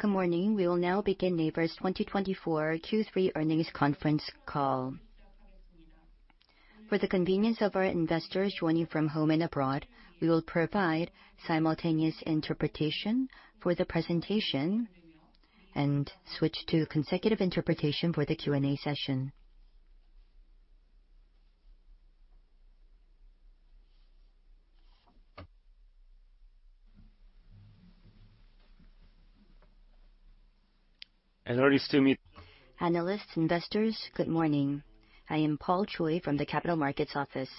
Good morning. We will now begin NAVER's 2024 Q3 Earnings Conference Call. For the convenience of our investors joining from home and abroad, we will provide simultaneous interpretation for the presentation and switch to consecutive interpretation for the Q&A session. Analysts, investors, good morning. I am Paul Choi from the Capital Markets Office.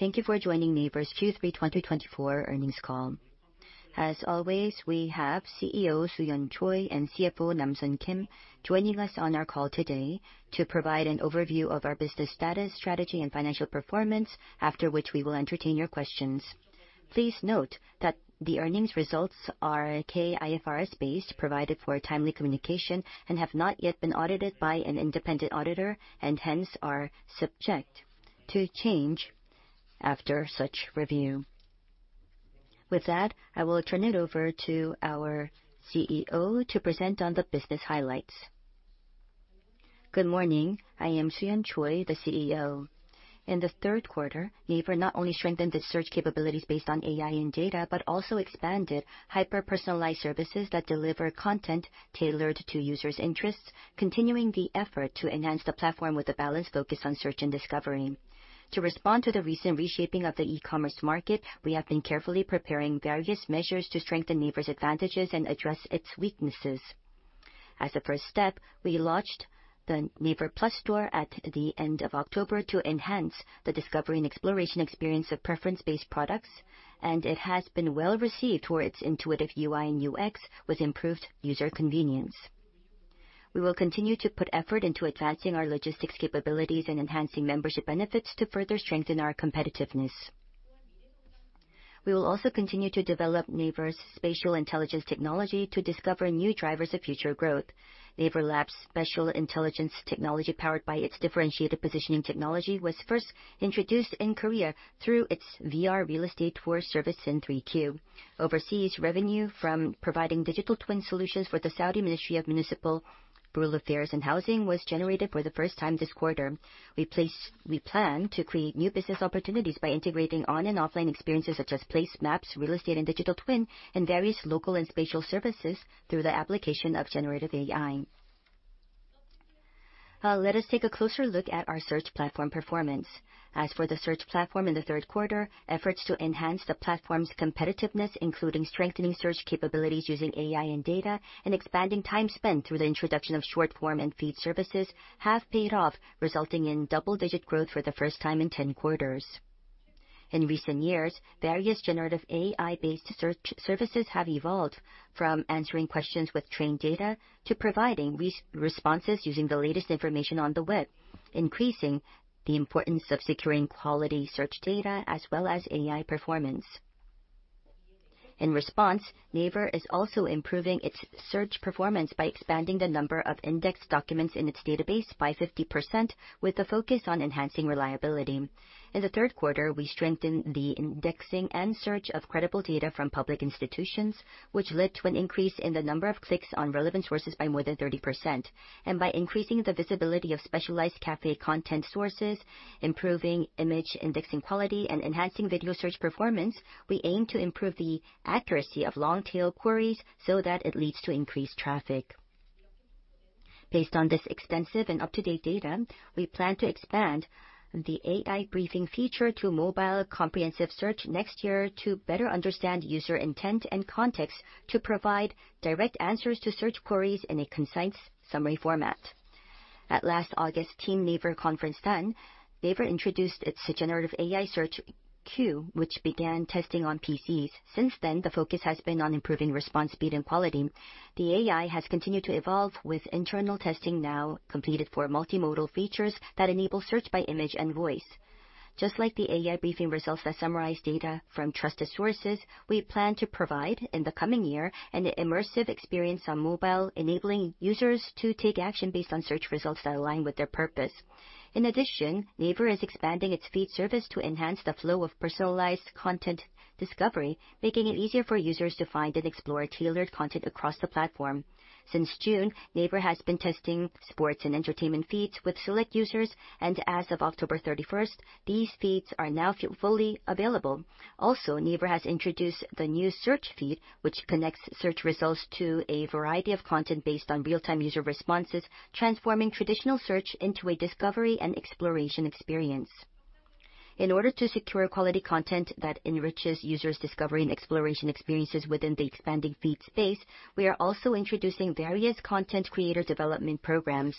Thank you for joining NAVER's Q3 2024 Earnings Call. As always, we have CEO Soo-yeon Choi and CFO Nam-Sun Kim joining us on our call today to provide an overview of our business status, strategy, and financial performance, after which we will entertain your questions. Please note that the earnings results are K-IFRS-based, provided for timely communication, and have not yet been audited by an independent auditor, and hence are subject to change after such review. With that, I will turn it over to our CEO to present on the business highlights. Good morning. I am Soo-yeon Choi, the CEO. In Q3, NAVER not only strengthened its search capabilities based on AI and data but also expanded hyper-personalized services that deliver content tailored to users' interests, continuing the effort to enhance the platform with a balanced focus on search and discovery. To respond to the recent reshaping of the e-commerce market, we have been carefully preparing various measures to strengthen NAVER's advantages and address its weaknesses. As a first step, we launched the NAVER Plus Store at the end of October to enhance the discovery and exploration experience of preference-based products, and it has been well received for its intuitive UI and UX with improved user convenience. We will continue to put effort into advancing our logistics capabilities and enhancing membership benefits to further strengthen our competitiveness. We will also continue to develop NAVER's spatial intelligence technology to discover new drivers of future growth. NAVER Labs' spatial intelligence technology, powered by its differentiated positioning technology, was first introduced in Korea through its VR real estate tour service in Q3. Overseas, revenue from providing digital twin solutions for the Saudi Ministry of Municipal, Rural Affairs and Housing was generated for the first time this quarter. We plan to create new business opportunities by integrating on- and offline experiences such as Place, Maps, real estate, and digital twin in various local and spatial services through the application of generative AI. Let us take a closer look at our search platform performance. As for the search platform in the third quarter, efforts to enhance the platform's competitiveness, including strengthening search capabilities using AI and data and expanding time spent through the introduction of short-form and feed services, have paid off, resulting in double-digit growth for the first time in 10 quarters. In recent years, various generative AI-based search services have evolved from answering questions with trained data to providing responses using the latest information on the web, increasing the importance of securing quality search data as well as AI performance. In response, NAVER is also improving its search performance by expanding the number of indexed documents in its database by 50% with a focus on enhancing reliability. In the third quarter, we strengthened the indexing and search of credible data from public institutions, which led to an increase in the number of clicks on relevant sources by more than 30%, and by increasing the visibility of specialized café content sources, improving image indexing quality, and enhancing video search performance, we aim to improve the accuracy of long-tail queries so that it leads to increased traffic. Based on this extensive and up-to-date data, we plan to expand the AI Briefing feature to mobile comprehensive search next year to better understand user intent and context to provide direct answers to search queries in a concise summary format. At last August's Team NAVER Conference, then NAVER introduced its generative AI search CUE, which began testing on PCs. Since then, the focus has been on improving response speed and quality. The AI has continued to evolve with internal testing now completed for multimodal features that enable search by image and voice. Just like the AI Briefing results that summarize data from trusted sources, we plan to provide in the coming year an immersive experience on mobile, enabling users to take action based on search results that align with their purpose. In addition, NAVER is expanding its feed service to enhance the flow of personalized content discovery, making it easier for users to find and explore tailored content across the platform. Since June, NAVER has been testing sports and entertainment feeds with select users, and as of October 31st, these feeds are now fully available. Also, NAVER has introduced the new Search Feed, which connects search results to a variety of content based on real-time user responses, transforming traditional search into a discovery and exploration experience. In order to secure quality content that enriches users' discovery and exploration experiences within the expanding feed space, we are also introducing various content creator development programs.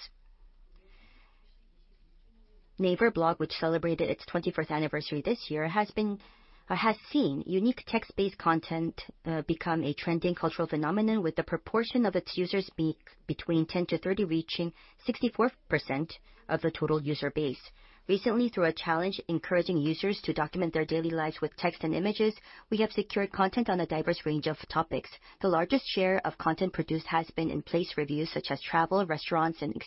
NAVER Blog, which celebrated its 24th anniversary this year, has seen unique text-based content become a trending cultural phenomenon with the proportion of its users between 10 to 30 reaching 64% of the total user base. Recently, through a challenge encouraging users to document their daily lives with text and images, we have secured content on a diverse range of topics. The largest share of content produced has been in place reviews such as travel, restaurants, and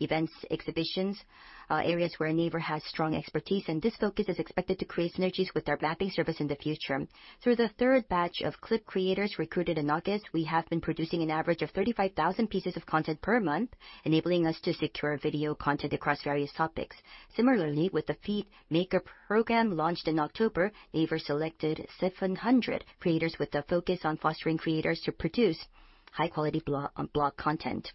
events, exhibitions, areas where NAVER has strong expertise, and this focus is expected to create synergies with our mapping service in the future. Through the third batch of Clip Creators recruited in August, we have been producing an average of 35,000 pieces of content per month, enabling us to secure video content across various topics. Similarly, with the Feed Maker Program launched in October, NAVER selected 700 creators with a focus on fostering creators to produce high-quality blog content.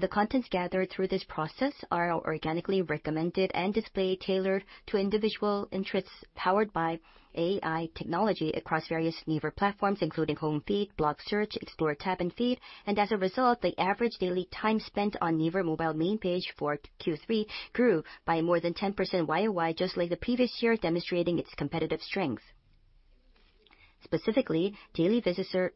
The contents gathered through this process are organically recommended and displayed tailored to individual interests powered by AI technology across various NAVER platforms, including Home Feed, Blog Search, Explore Tab, and feed. As a result, the average daily time spent on NAVER mobile main page for Q3 grew by more than 10% YOY, just like the previous year, demonstrating its competitive strength. Specifically, daily visitors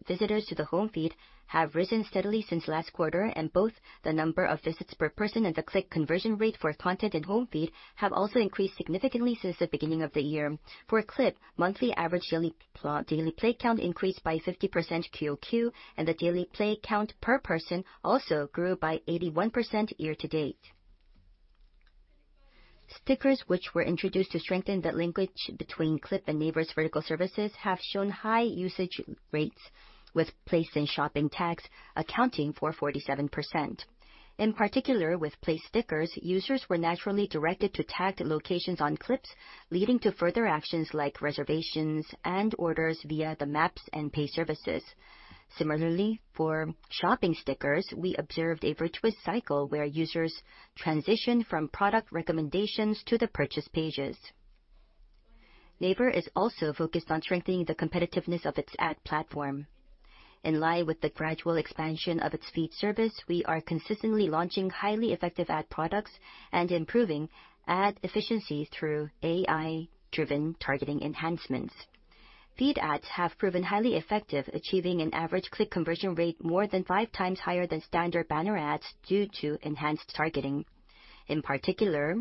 to the Home Feed have risen steadily since last quarter, and both the number of visits per person and the click conversion rate for content in Home Feed have also increased significantly since the beginning of the year. For Clip, monthly average daily play count increased by 50% QOQ, and the daily play count per person also grew by 81% year to date. Stickers, which were introduced to strengthen the linkage between Clip and NAVER's vertical services, have shown high usage rates with Place and Shopping tags accounting for 47%. In particular, with Place stickers, users were naturally directed to tagged locations on Clips, leading to further actions like reservations and orders via the Map and Pay services. Similarly, for Shopping stickers, we observed a virtuous cycle where users transitioned from product recommendations to the purchase pages. NAVER is also focused on strengthening the competitiveness of its ad platform. In line with the gradual expansion of its feed service, we are consistently launching highly effective ad products and improving ad efficiency through AI-driven targeting enhancements. Feed ads have proven highly effective, achieving an average click conversion rate more than five times higher than standard banner ads due to enhanced targeting. In particular,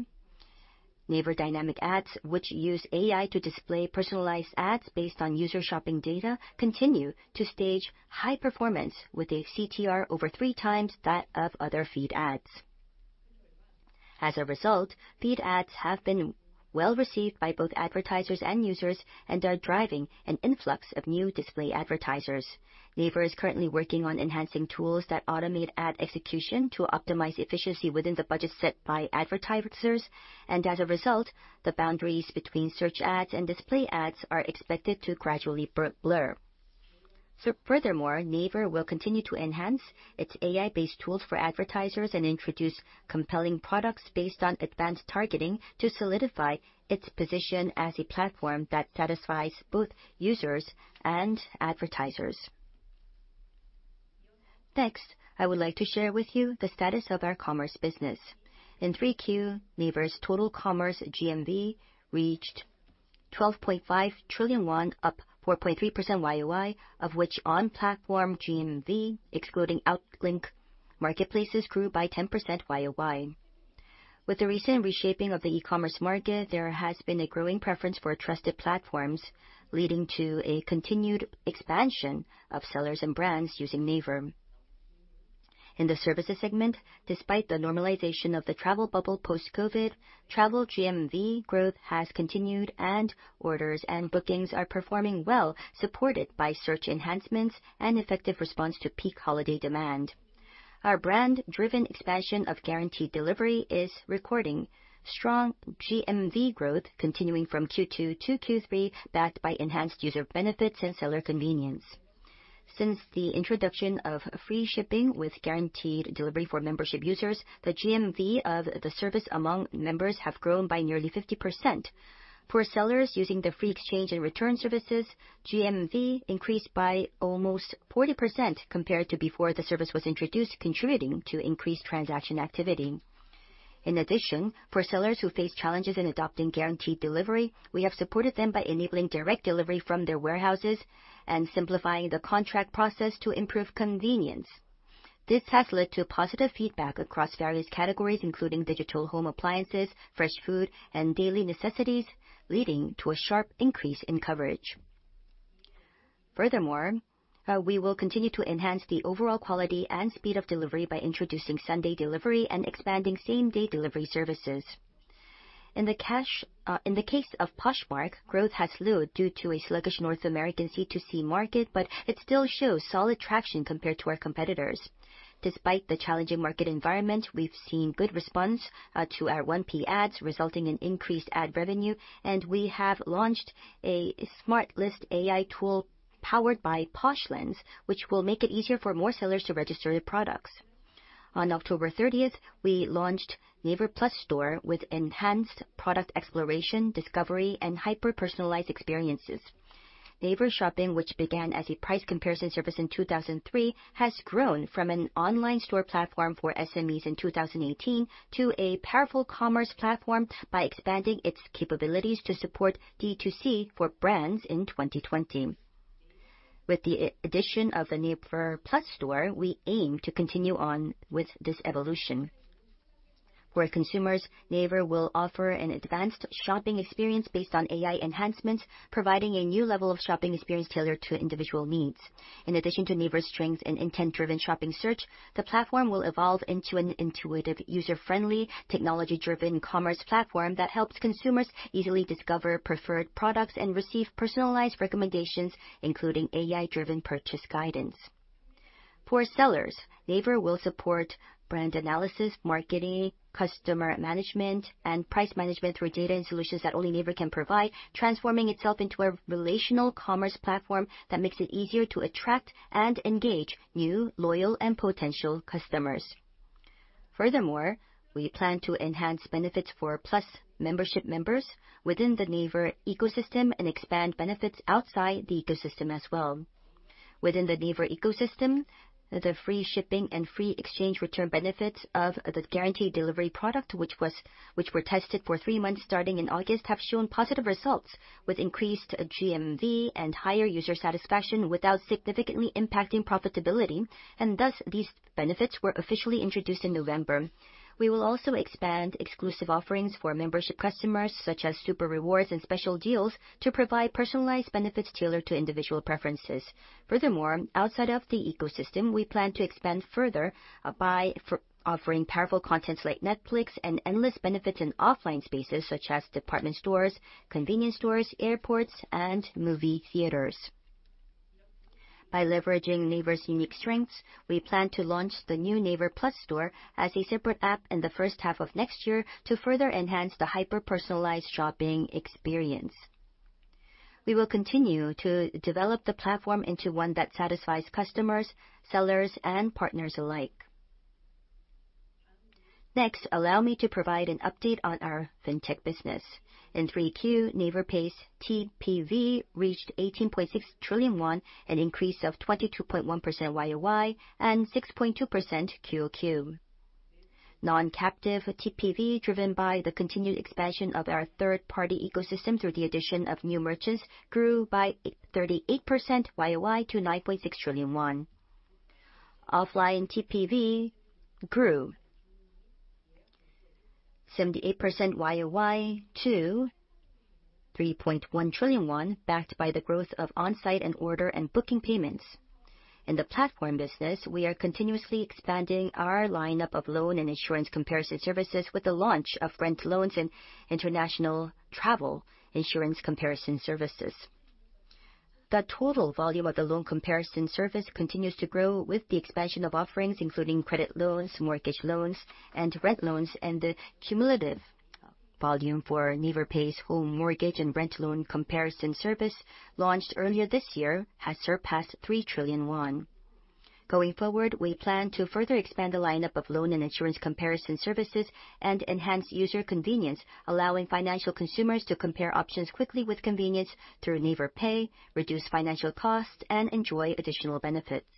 NAVER Dynamic Ads, which use AI to display personalized ads based on user shopping data, continue to stage high performance with a CTR over three times that of other feed ads. As a result, feed ads have been well received by both advertisers and users and are driving an influx of new display advertisers. NAVER is currently working on enhancing tools that automate ad execution to optimize efficiency within the budget set by advertisers, and as a result, the boundaries between search ads and display ads are expected to gradually blur. Furthermore, NAVER will continue to enhance its AI-based tools for advertisers and introduce compelling products based on advanced targeting to solidify its position as a platform that satisfies both users and advertisers. Next, I would like to share with you the status of our commerce business. In 3Q, NAVER's total commerce GMV reached 12.5 trillion won, up 4.3% YOY, of which on-platform GMV, excluding outlink marketplaces, grew by 10% YOY. With the recent reshaping of the e-commerce market, there has been a growing preference for trusted platforms, leading to a continued expansion of sellers and brands using NAVER. In the services segment, despite the normalization of the travel bubble post-COVID, travel GMV growth has continued, and orders and bookings are performing well, supported by search enhancements and effective response to peak holiday demand. Our brand-driven expansion of Guaranteed Delivery is recording strong GMV growth, continuing from Q2 to Q3, backed by enhanced user benefits and seller convenience. Since the introduction of free shipping with guaranteed delivery for membership users, the GMV of the service among members has grown by nearly 50%. For sellers using the free exchange and return services, GMV increased by almost 40% compared to before the service was introduced, contributing to increased transaction activity. In addition, for sellers who face challenges in adopting guaranteed delivery, we have supported them by enabling direct delivery from their warehouses and simplifying the contract process to improve convenience. This has led to positive feedback across various categories, including digital home appliances, fresh food, and daily necessities, leading to a sharp increase in coverage. Furthermore, we will continue to enhance the overall quality and speed of delivery by introducing Sunday delivery and expanding same-day delivery services. In the case of Poshmark, growth has slowed due to a sluggish North American C2C market, but it still shows solid traction compared to our competitors. Despite the challenging market environment, we've seen good response to our 1P ads, resulting in increased ad revenue, and we have launched a Smart List AI tool powered by PoshLens, which will make it easier for more sellers to register the products. On October 30th, we launched NAVER Plus Store with enhanced product exploration, discovery, and hyper-personalized experiences. NAVER Shopping, which began as a price comparison service in 2003, has grown from an online store platform for SMEs in 2018 to a powerful commerce platform by expanding its capabilities to support D2C for brands in 2020. With the addition of the NAVER Plus Store, we aim to continue on with this evolution. For consumers, NAVER will offer an advanced shopping experience based on AI enhancements, providing a new level of shopping experience tailored to individual needs. In addition to NAVER's strengths in intent-driven shopping search, the platform will evolve into an intuitive, user-friendly, technology-driven commerce platform that helps consumers easily discover preferred products and receive personalized recommendations, including AI-driven purchase guidance. For sellers, NAVER will support brand analysis, marketing, customer management, and price management through data and solutions that only NAVER can provide, transforming itself into a relational commerce platform that makes it easier to attract and engage new, loyal, and potential customers. Furthermore, we plan to enhance benefits for Plus membership members within the NAVER ecosystem and expand benefits outside the ecosystem as well. Within the NAVER ecosystem, the free shipping and free exchange return benefits of the guaranteed delivery product, which were tested for three months starting in August, have shown positive results with increased GMV and higher user satisfaction without significantly impacting profitability. And thus, these benefits were officially introduced in November. We will also expand exclusive offerings for membership customers, such as Super Rewards and special deals, to provide personalized benefits tailored to individual preferences. Furthermore, outside of the ecosystem, we plan to expand further by offering powerful contents like Netflix and endless benefits in offline spaces, such as department stores, convenience stores, airports, and movie theaters. By leveraging NAVER's unique strengths, we plan to launch the new NAVER+ store as a separate app in the first half of next year to further enhance the hyper-personalized shopping experience. We will continue to develop the platform into one that satisfies customers, sellers, and partners alike. Next, allow me to provide an update on our fintech business. In 3Q, NAVER Pay TPV reached 18.6 trillion won, an increase of 22.1% YOY and 6.2% QOQ. Non-captive TPV, driven by the continued expansion of our third-party ecosystem through the addition of new merchants, grew by 38% YOY to 9.6 trillion won. Offline TPV grew 78% YOY to 3.1 trillion won, backed by the growth of onsite and order and booking payments. In the platform business, we are continuously expanding our lineup of loan and insurance comparison services with the launch of rent loans and international travel insurance comparison services. The total volume of the loan comparison service continues to grow with the expansion of offerings, including credit loans, mortgage loans, and rent loans, and the cumulative volume for NAVER Pay's home mortgage and rent loan comparison service launched earlier this year has surpassed 3 trillion won. Going forward, we plan to further expand the lineup of loan and insurance comparison services and enhance user convenience, allowing financial consumers to compare options quickly with convenience through NAVER Pay, reduce financial costs, and enjoy additional benefits.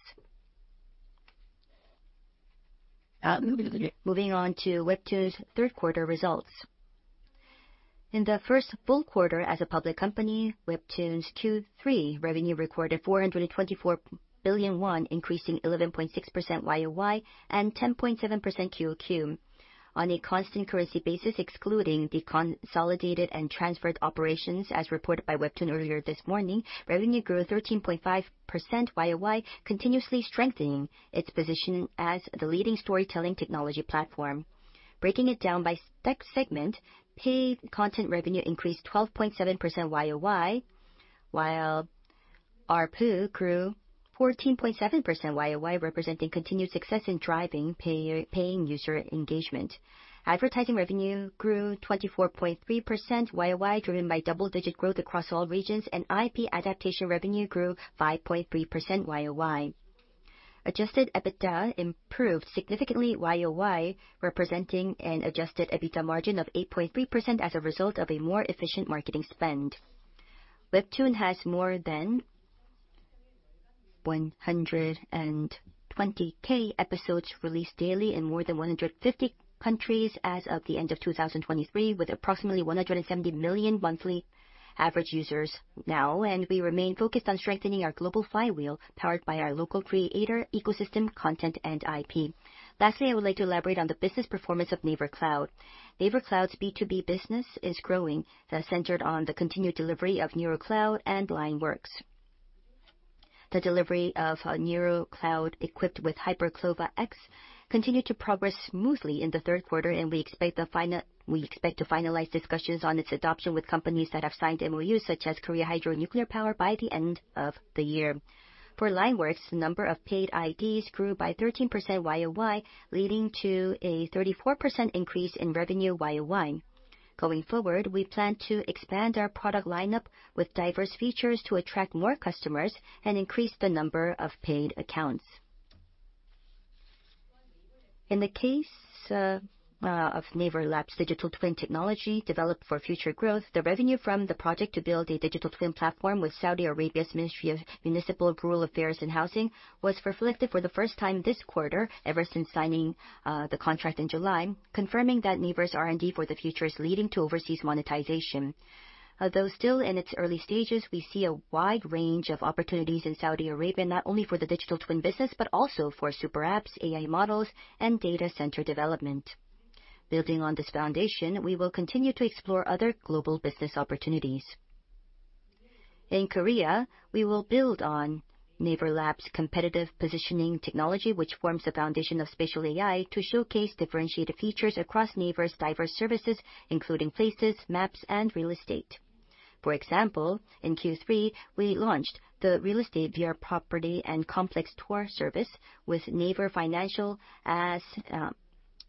Moving on to Webtoon's third quarter results. In the first full quarter, as a public company, Webtoon's Q3 revenue recorded 424 billion won, increasing 11.6% YOY and 10.7% QOQ. On a constant currency basis, excluding the consolidated and transferred operations, as reported by Webtoon earlier this morning, revenue grew 13.5% YOY, continuously strengthening its position as the leading storytelling technology platform. Breaking it down by tech segment, paid content revenue increased 12.7% YOY, while RPU grew 14.7% YOY, representing continued success in driving paying user engagement. Advertising revenue grew 24.3% YOY, driven by double-digit growth across all regions, and IP adaptation revenue grew 5.3% YOY. Adjusted EBITDA improved significantly YOY, representing an adjusted EBITDA margin of 8.3% as a result of a more efficient marketing spend. Webtoon has more than 120,000 episodes released daily in more than 150 countries as of the end of 2023, with approximately 170 million monthly average users now, and we remain focused on strengthening our global flywheel powered by our local creator ecosystem content and IP. Lastly, I would like to elaborate on the business performance of NAVER Cloud. NAVER Cloud's B2B business is growing, centered on the continued delivery of NeuroCloud and LINE WORKS. The delivery of NeuroCloud, equipped with HyperCLOVA X, continued to progress smoothly in the third quarter, and we expect to finalize discussions on its adoption with companies that have signed MOUs, such as Korea Hydro & Nuclear Power, by the end of the year. For LINE WORKS, the number of paid IDs grew by 13% YOY, leading to a 34% increase in revenue YOY. Going forward, we plan to expand our product lineup with diverse features to attract more customers and increase the number of paid accounts. In the case of NAVER Labs' digital twin technology developed for future growth, the revenue from the project to build a digital twin platform with Saudi Arabia's Ministry of Municipal, Rural Affairs, and Housing was reflected for the first time this quarter ever since signing the contract in July, confirming that NAVER's R&D for the future is leading to overseas monetization. Although still in its early stages, we see a wide range of opportunities in Saudi Arabia, not only for the digital twin business, but also for super apps, AI models, and data center development. Building on this foundation, we will continue to explore other global business opportunities. In Korea, we will build on NAVER Labs' competitive positioning technology, which forms the foundation of spatial AI, to showcase differentiated features across NAVER's diverse services, including places, maps, and real estate. For example, in Q3, we launched the VR Real Estate Tour service with NAVER Financial as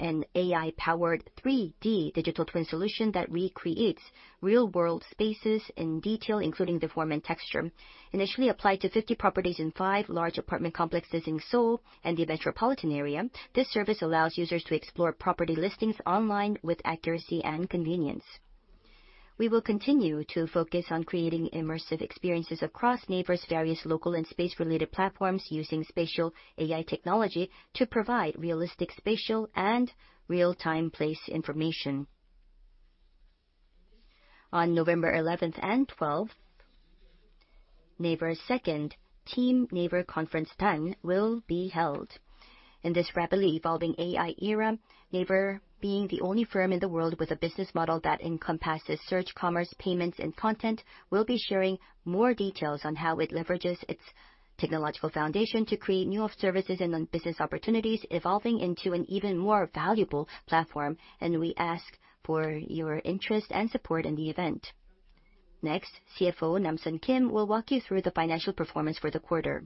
an AI-powered 3D digital twin solution that recreates real-world spaces in detail, including the form and texture. Initially applied to 50 properties in five large apartment complexes in Seoul and the metropolitan area, this service allows users to explore property listings online with accuracy and convenience. We will continue to focus on creating immersive experiences across NAVER's various local and space-related platforms using spatial AI technology to provide realistic spatial and real-time place information. On November 11th and 12th, NAVER's second Team NAVER Conference 10 will be held. In this rapidly evolving AI era, NAVER, being the only firm in the world with a business model that encompasses search, commerce, payments, and content, will be sharing more details on how it leverages its technological foundation to create new services and business opportunities, evolving into an even more valuable platform, and we ask for your interest and support in the event. Next, CFO Nam-Sun Kim will walk you through the financial performance for the quarter.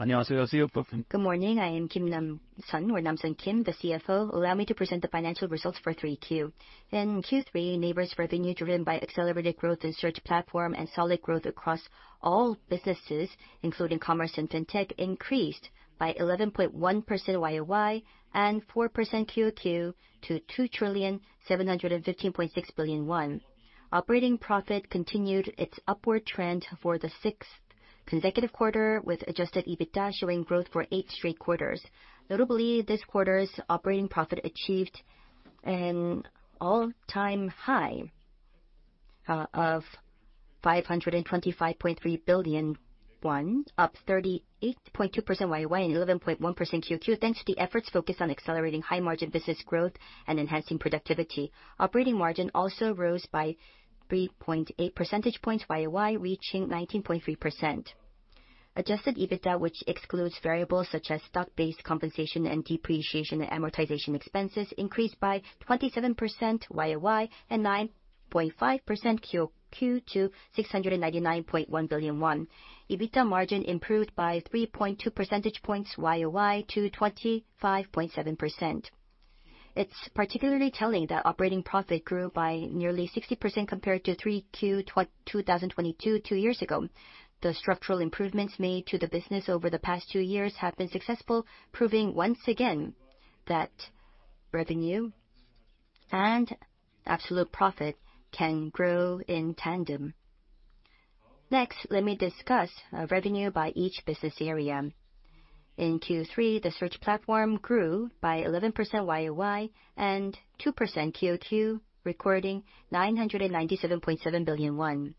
안녕하세요, CFO. Good morning. I am Kim Nam-Sun, or Nam-Sun Kim, the CFO. Allow me to present the financial results for 3Q. In Q3, NAVER's revenue driven by accelerated growth in search platform and solid growth across all businesses, including commerce and fintech, increased by 11.1% YOY and 4% QOQ to 2 trillion 715.6 billion. Operating profit continued its upward trend for the sixth consecutive quarter, with adjusted EBITDA showing growth for eight straight quarters. Notably, this quarter's operating profit achieved an all-time high of 525.3 billion won, up 38.2% YOY and 11.1% QOQ, thanks to efforts focused on accelerating high-margin business growth and enhancing productivity. Operating margin also rose by 3.8 percentage points YOY, reaching 19.3%. Adjusted EBITDA, which excludes variables such as stock-based compensation and depreciation and amortization expenses, increased by 27% YOY and 9.5% QOQ to 699.1 billion won. EBITDA margin improved by 3.2 percentage points YOY to 25.7%. It's particularly telling that operating profit grew by nearly 60% compared to 3Q 2022, two years ago. The structural improvements made to the business over the past two years have been successful, proving once again that revenue and absolute profit can grow in tandem. Next, let me discuss revenue by each business area. In Q3, the search platform grew by 11% YOY and 2% QOQ, recording 997.7 billion won.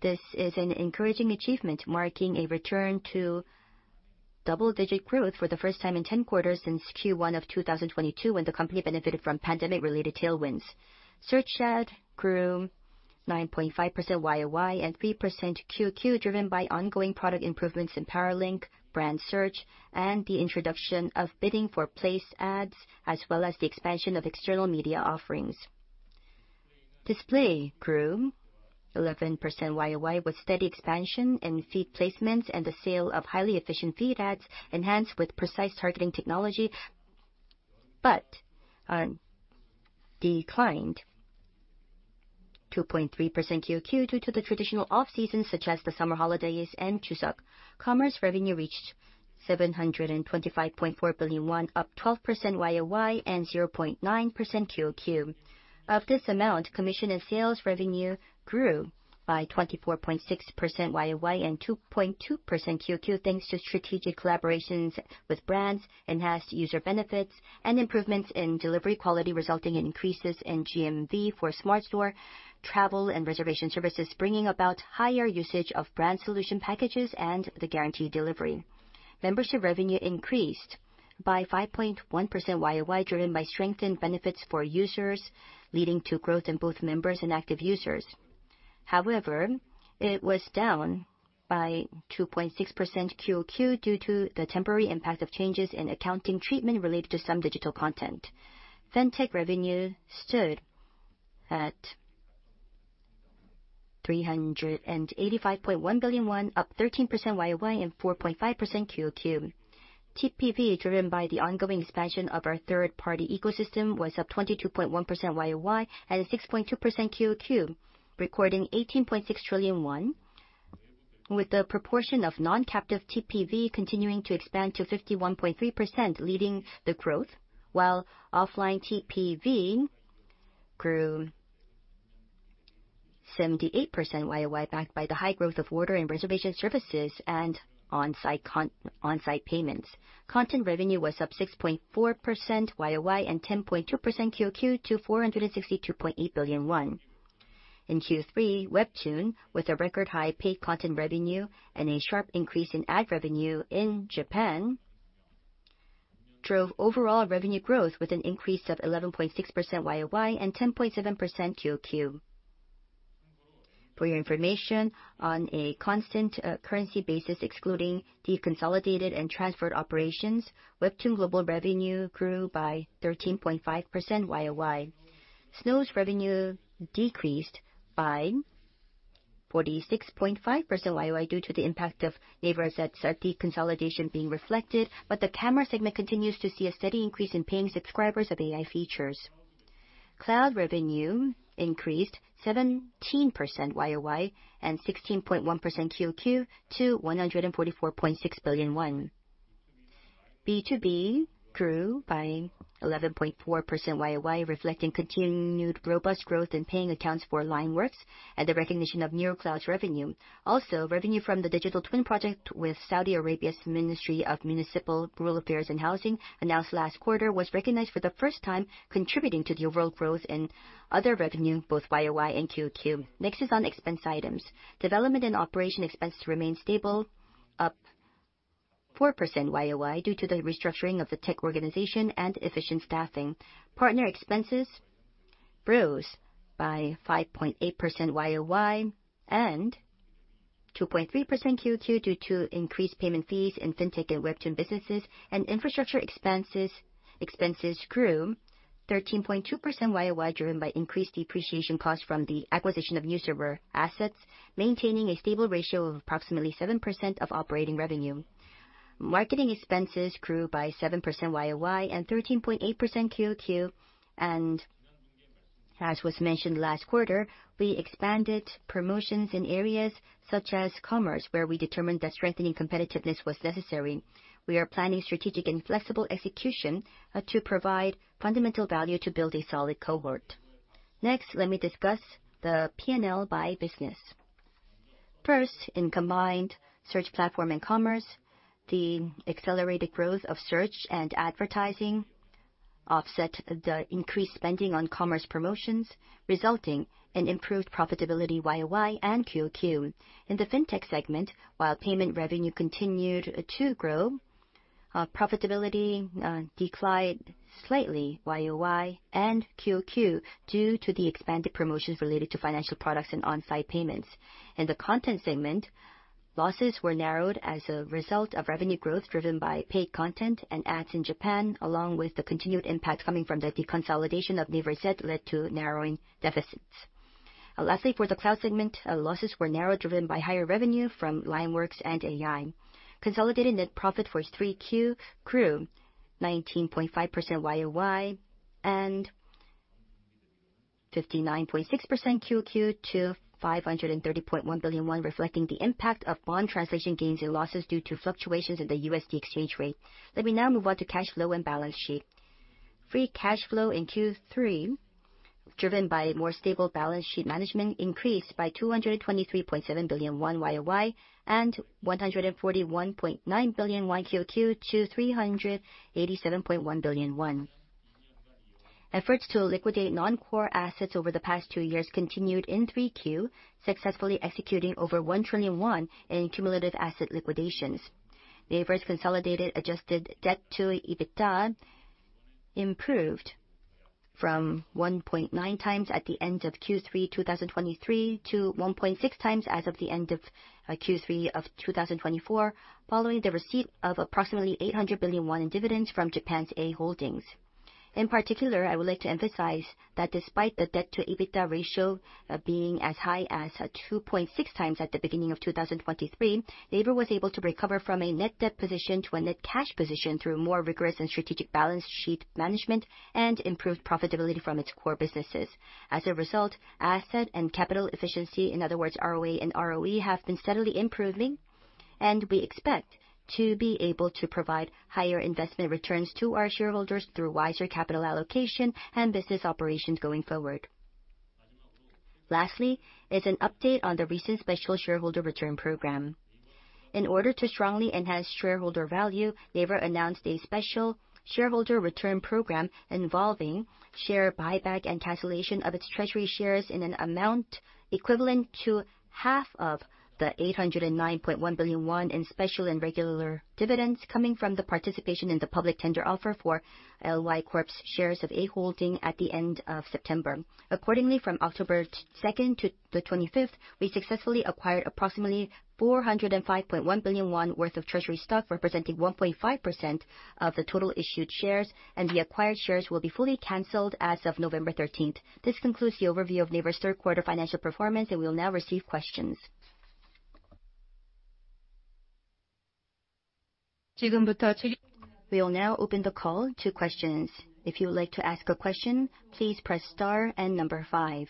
This is an encouraging achievement, marking a return to double-digit growth for the first time in 10 quarters since Q1 of 2022, when the company benefited from pandemic-related tailwinds. Search ad grew 9.5% YOY and 3% QOQ, driven by ongoing product improvements in Power Link brand search and the introduction of bidding for place ads, as well as the expansion of external media offerings. Display grew 11% YOY with steady expansion in feed placements and the sale of highly efficient feed ads, enhanced with precise targeting technology, but declined 2.3% QOQ due to the traditional off-season, such as the summer holidays and Chuseok. Commerce revenue reached 725.4 billion won, up 12% YOY and 0.9% QOQ. Of this amount, commission and sales revenue grew by 24.6% YOY and 2.2% QOQ, thanks to strategic collaborations with brands, enhanced user benefits, and improvements in delivery quality, resulting in increases in GMV for Smart Store, travel, and reservation services, bringing about higher usage of brand solution packages and the guaranteed delivery. Membership revenue increased by 5.1% YOY, driven by strengthened benefits for users, leading to growth in both members and active users. However, it was down by 2.6% QOQ due to the temporary impact of changes in accounting treatment related to some digital content. Fintech revenue stood at 385.1 billion won, up 13% YOY and 4.5% QOQ. TPV, driven by the ongoing expansion of our third-party ecosystem, was up 22.1% YOY and 6.2% QOQ, recording 18.6 trillion won, with the proportion of non-captive TPV continuing to expand to 51.3%, leading the growth, while offline TPV grew 78% YOY, backed by the high growth of order and reservation services and onsite payments. Content revenue was up 6.4% YOY and 10.2% QOQ to 462.8 billion won. In Q3, Webtoon, with a record high paid content revenue and a sharp increase in ad revenue in Japan, drove overall revenue growth with an increase of 11.6% YOY and 10.7% QOQ. For your information, on a constant currency basis, excluding deconsolidated and transferred operations, Webtoon global revenue grew by 13.5% YOY. Snow's revenue decreased by 46.5% YOY due to the impact of NAVER Z's deconsolidation being reflected, but the camera segment continues to see a steady increase in paying subscribers of AI features. Cloud revenue increased 17% YOY and 16.1% QOQ to 144.6 billion won. B2B grew by 11.4% YOY, reflecting continued robust growth in paying accounts for LINE WORKS and the recognition of NeuroCloud's revenue. Also, revenue from the digital twin project with Saudi Arabia's Ministry of Municipal, Rural Affairs and Housing, announced last quarter, was recognized for the first time, contributing to the overall growth in other revenue, both YOY and QOQ. Next is on expense items. Development and operation expenses remained stable, up 4% YOY due to the restructuring of the tech organization and efficient staffing. Partner expenses rose by 5.8% YOY and 2.3% QOQ due to increased payment fees in fintech and Webtoon businesses, and infrastructure expenses grew 13.2% YOY, driven by increased depreciation costs from the acquisition of new server assets, maintaining a stable ratio of approximately 7% of operating revenue. Marketing expenses grew by 7% YOY and 13.8% QOQ, and as was mentioned last quarter, we expanded promotions in areas such as commerce, where we determined that strengthening competitiveness was necessary. We are planning strategic and flexible execution to provide fundamental value to build a solid cohort. Next, let me discuss the P&L by business. First, in combined search platform and commerce, the accelerated growth of search and advertising offset the increased spending on commerce promotions, resulting in improved profitability YOY and QOQ. In the fintech segment, while payment revenue continued to grow, profitability declined slightly YOY and QOQ due to the expanded promotions related to financial products and onsite payments. In the content segment, losses were narrowed as a result of revenue growth driven by paid content and ads in Japan, along with the continued impact coming from the deconsolidation of NAVER Z's, which led to narrowing deficits. Lastly, for the cloud segment, losses were narrowed, driven by higher revenue from LINE WORKS and AI. Consolidated net profit for 3Q grew 19.5% YOY and 59.6% QOQ to 530.1 billion won, reflecting the impact of bond translation gains and losses due to fluctuations in the USD exchange rate. Let me now move on to cash flow and balance sheet. Free cash flow in Q3, driven by more stable balance sheet management, increased by 223.7 billion won YOY and 141.9 billion won QOQ to 387.1 billion won. Efforts to liquidate non-core assets over the past two years continued in 3Q, successfully executing over 1 trillion won in cumulative asset liquidations. NAVER's consolidated adjusted debt to EBITDA improved from 1.9 times at the end of Q3 2023 to 1.6 times as of the end of Q3 of 2024, following the receipt of approximately 800 billion won in dividends from Japan's A Holdings. In particular, I would like to emphasize that despite the debt to EBITDA ratio being as high as 2.6 times at the beginning of 2023, NAVER was able to recover from a net debt position to a net cash position through more rigorous and strategic balance sheet management and improved profitability from its core businesses. As a result, asset and capital efficiency, in other words, ROA and ROE, have been steadily improving, and we expect to be able to provide higher investment returns to our shareholders through wiser capital allocation and business operations going forward. Lastly, is an update on the recent special shareholder return program. In order to strongly enhance shareholder value, NAVER announced a special shareholder return program involving share buyback and cancellation of its treasury shares in an amount equivalent to half of the 809.1 billion won in special and regular dividends coming from the participation in the public tender offer for LY Corporation's shares of A Holdings at the end of September. Accordingly, from October 2nd to the 25th, we successfully acquired approximately 405.1 billion won worth of treasury stock, representing 1.5% of the total issued shares, and the acquired shares will be fully canceled as of November 13th. This concludes the overview of NAVER's third quarter financial performance, and we will now receive questions. 지금부터. We will now open the call to questions. If you would like to ask a question, please press star and number five.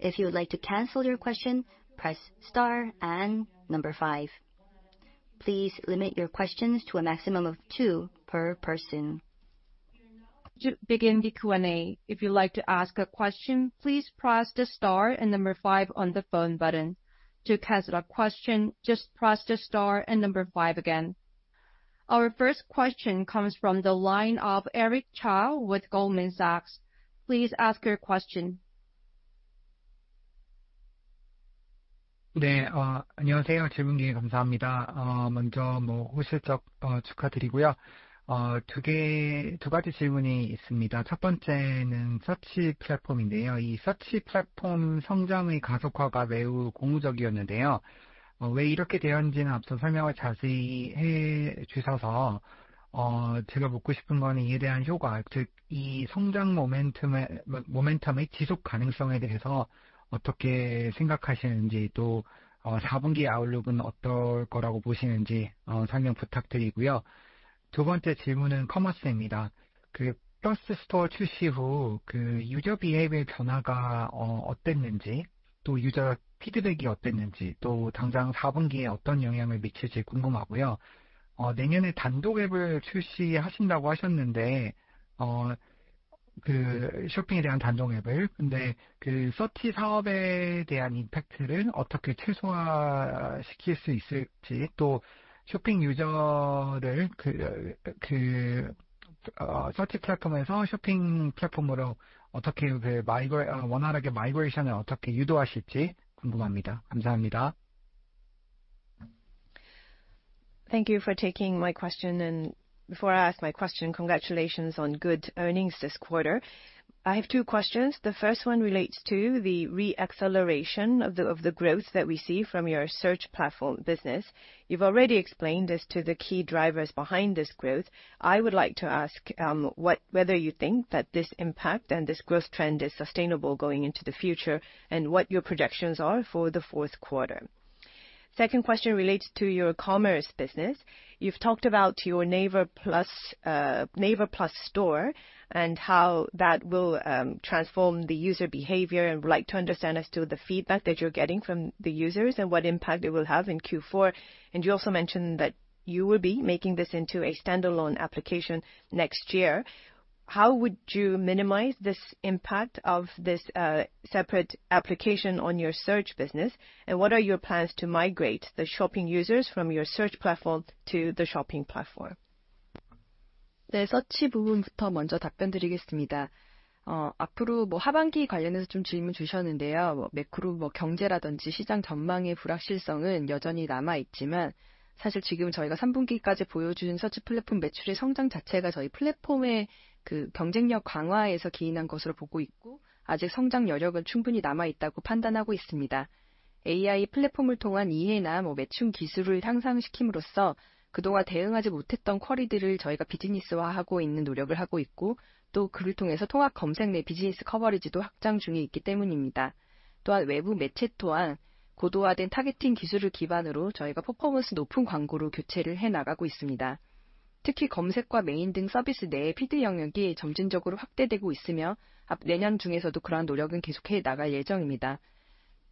If you would like to cancel your question, press star and number five. Please limit your questions to a maximum of two per person. To begin the Q&A, if you'd like to ask a question, please press the star and number five on the phone button. To cancel a question, just press the star and number five again. Our first question comes from the line of Eric Chow with Goldman Sachs. Please ask your question. 네, 안녕하세요. 질문 기회 감사합니다. 먼저 좋은 실적 축하드리고요. 두 가지 질문이 있습니다. 첫 번째는 서치 플랫폼인데요. 이 서치 플랫폼 성장의 가속화가 매우 고무적이었는데요. 왜 이렇게 되었는지는 앞서 설명을 자세히 해주셔서 제가 묻고 싶은 것은 이에 대한 효과, 즉이 성장 모멘텀의 지속 가능성에 대해서 어떻게 생각하시는지, 또 4분기 아웃룩은 어떨 거라고 보시는지 설명 부탁드리고요. 두 번째 질문은 커머스입니다. 그 플러스 스토어 출시 후 유저 비해의 변화가 어땠는지, 또 유저 피드백이 어땠는지, 또 당장 4분기에 어떤 영향을 미칠지 궁금하고요. 내년에 단독 앱을 출시하신다고 하셨는데, 쇼핑에 대한 단독 앱을, 근데 그 서치 사업에 대한 임팩트를 어떻게 최소화시킬 수 있을지, 또 쇼핑 유저를 서치 플랫폼에서 쇼핑 플랫폼으로 어떻게 원활하게 마이그레이션을 어떻게 유도하실지 궁금합니다. 감사합니다. Thank you for taking my question. And before I ask my question, congratulations on good earnings this quarter. I have two questions. The first one relates to the re-acceleration of the growth that we see from your search platform business. You've already explained this to the key drivers behind this growth. I would like to ask whether you think that this impact and this growth trend is sustainable going into the future and what your projections are for the fourth quarter. Second question relates to your commerce business. You've talked about your NAVER Plus Store and how that will transform the user behavior, and would like to understand as to the feedback that you're getting from the users and what impact it will have in Q4, and you also mentioned that you will be making this into a standalone application next year. How would you minimize this impact of this separate application on your search business? and what are your plans to migrate the shopping users from your search platform to the shopping platform? 네, 서치 부분부터 먼저 답변드리겠습니다. 앞으로 하반기 관련해서 질문 주셨는데요. 매크로 경제라든지 시장 전망의 불확실성은 여전히 남아 있지만, 사실 지금 저희가 3분기까지 보여준 서치 플랫폼 매출의 성장 자체가 저희 플랫폼의 경쟁력 강화에서 기인한 것으로 보고 있고, 아직 성장 여력은 충분히 남아 있다고 판단하고 있습니다. AI 플랫폼을 통한 이해나 매칭 기술을 향상시킴으로써 그동안 대응하지 못했던 쿼리들을 저희가 비즈니스화하고 있는 노력을 하고 있고, 또 그를 통해서 통합 검색 내 비즈니스 커버리지도 확장 중에 있기 때문입니다. 또한 외부 매체 또한 고도화된 타겟팅 기술을 기반으로 저희가 퍼포먼스 높은 광고로 교체를 해나가고 있습니다. 특히 검색과 메인 등 서비스 내의 피드 영역이 점진적으로 확대되고 있으며, 내년 중에서도 그러한 노력은 계속해 나갈 예정입니다.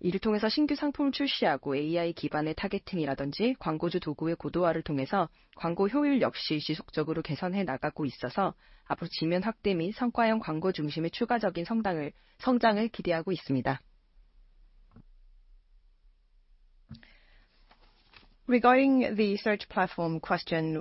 이를 통해서 신규 상품을 출시하고 AI 기반의 타겟팅이라든지 광고주 도구의 고도화를 통해서 광고 효율 역시 지속적으로 개선해 나가고 있어서 앞으로 지면 확대 및 성과형 광고 중심의 추가적인 성장을 기대하고 있습니다. Regarding the search platform question,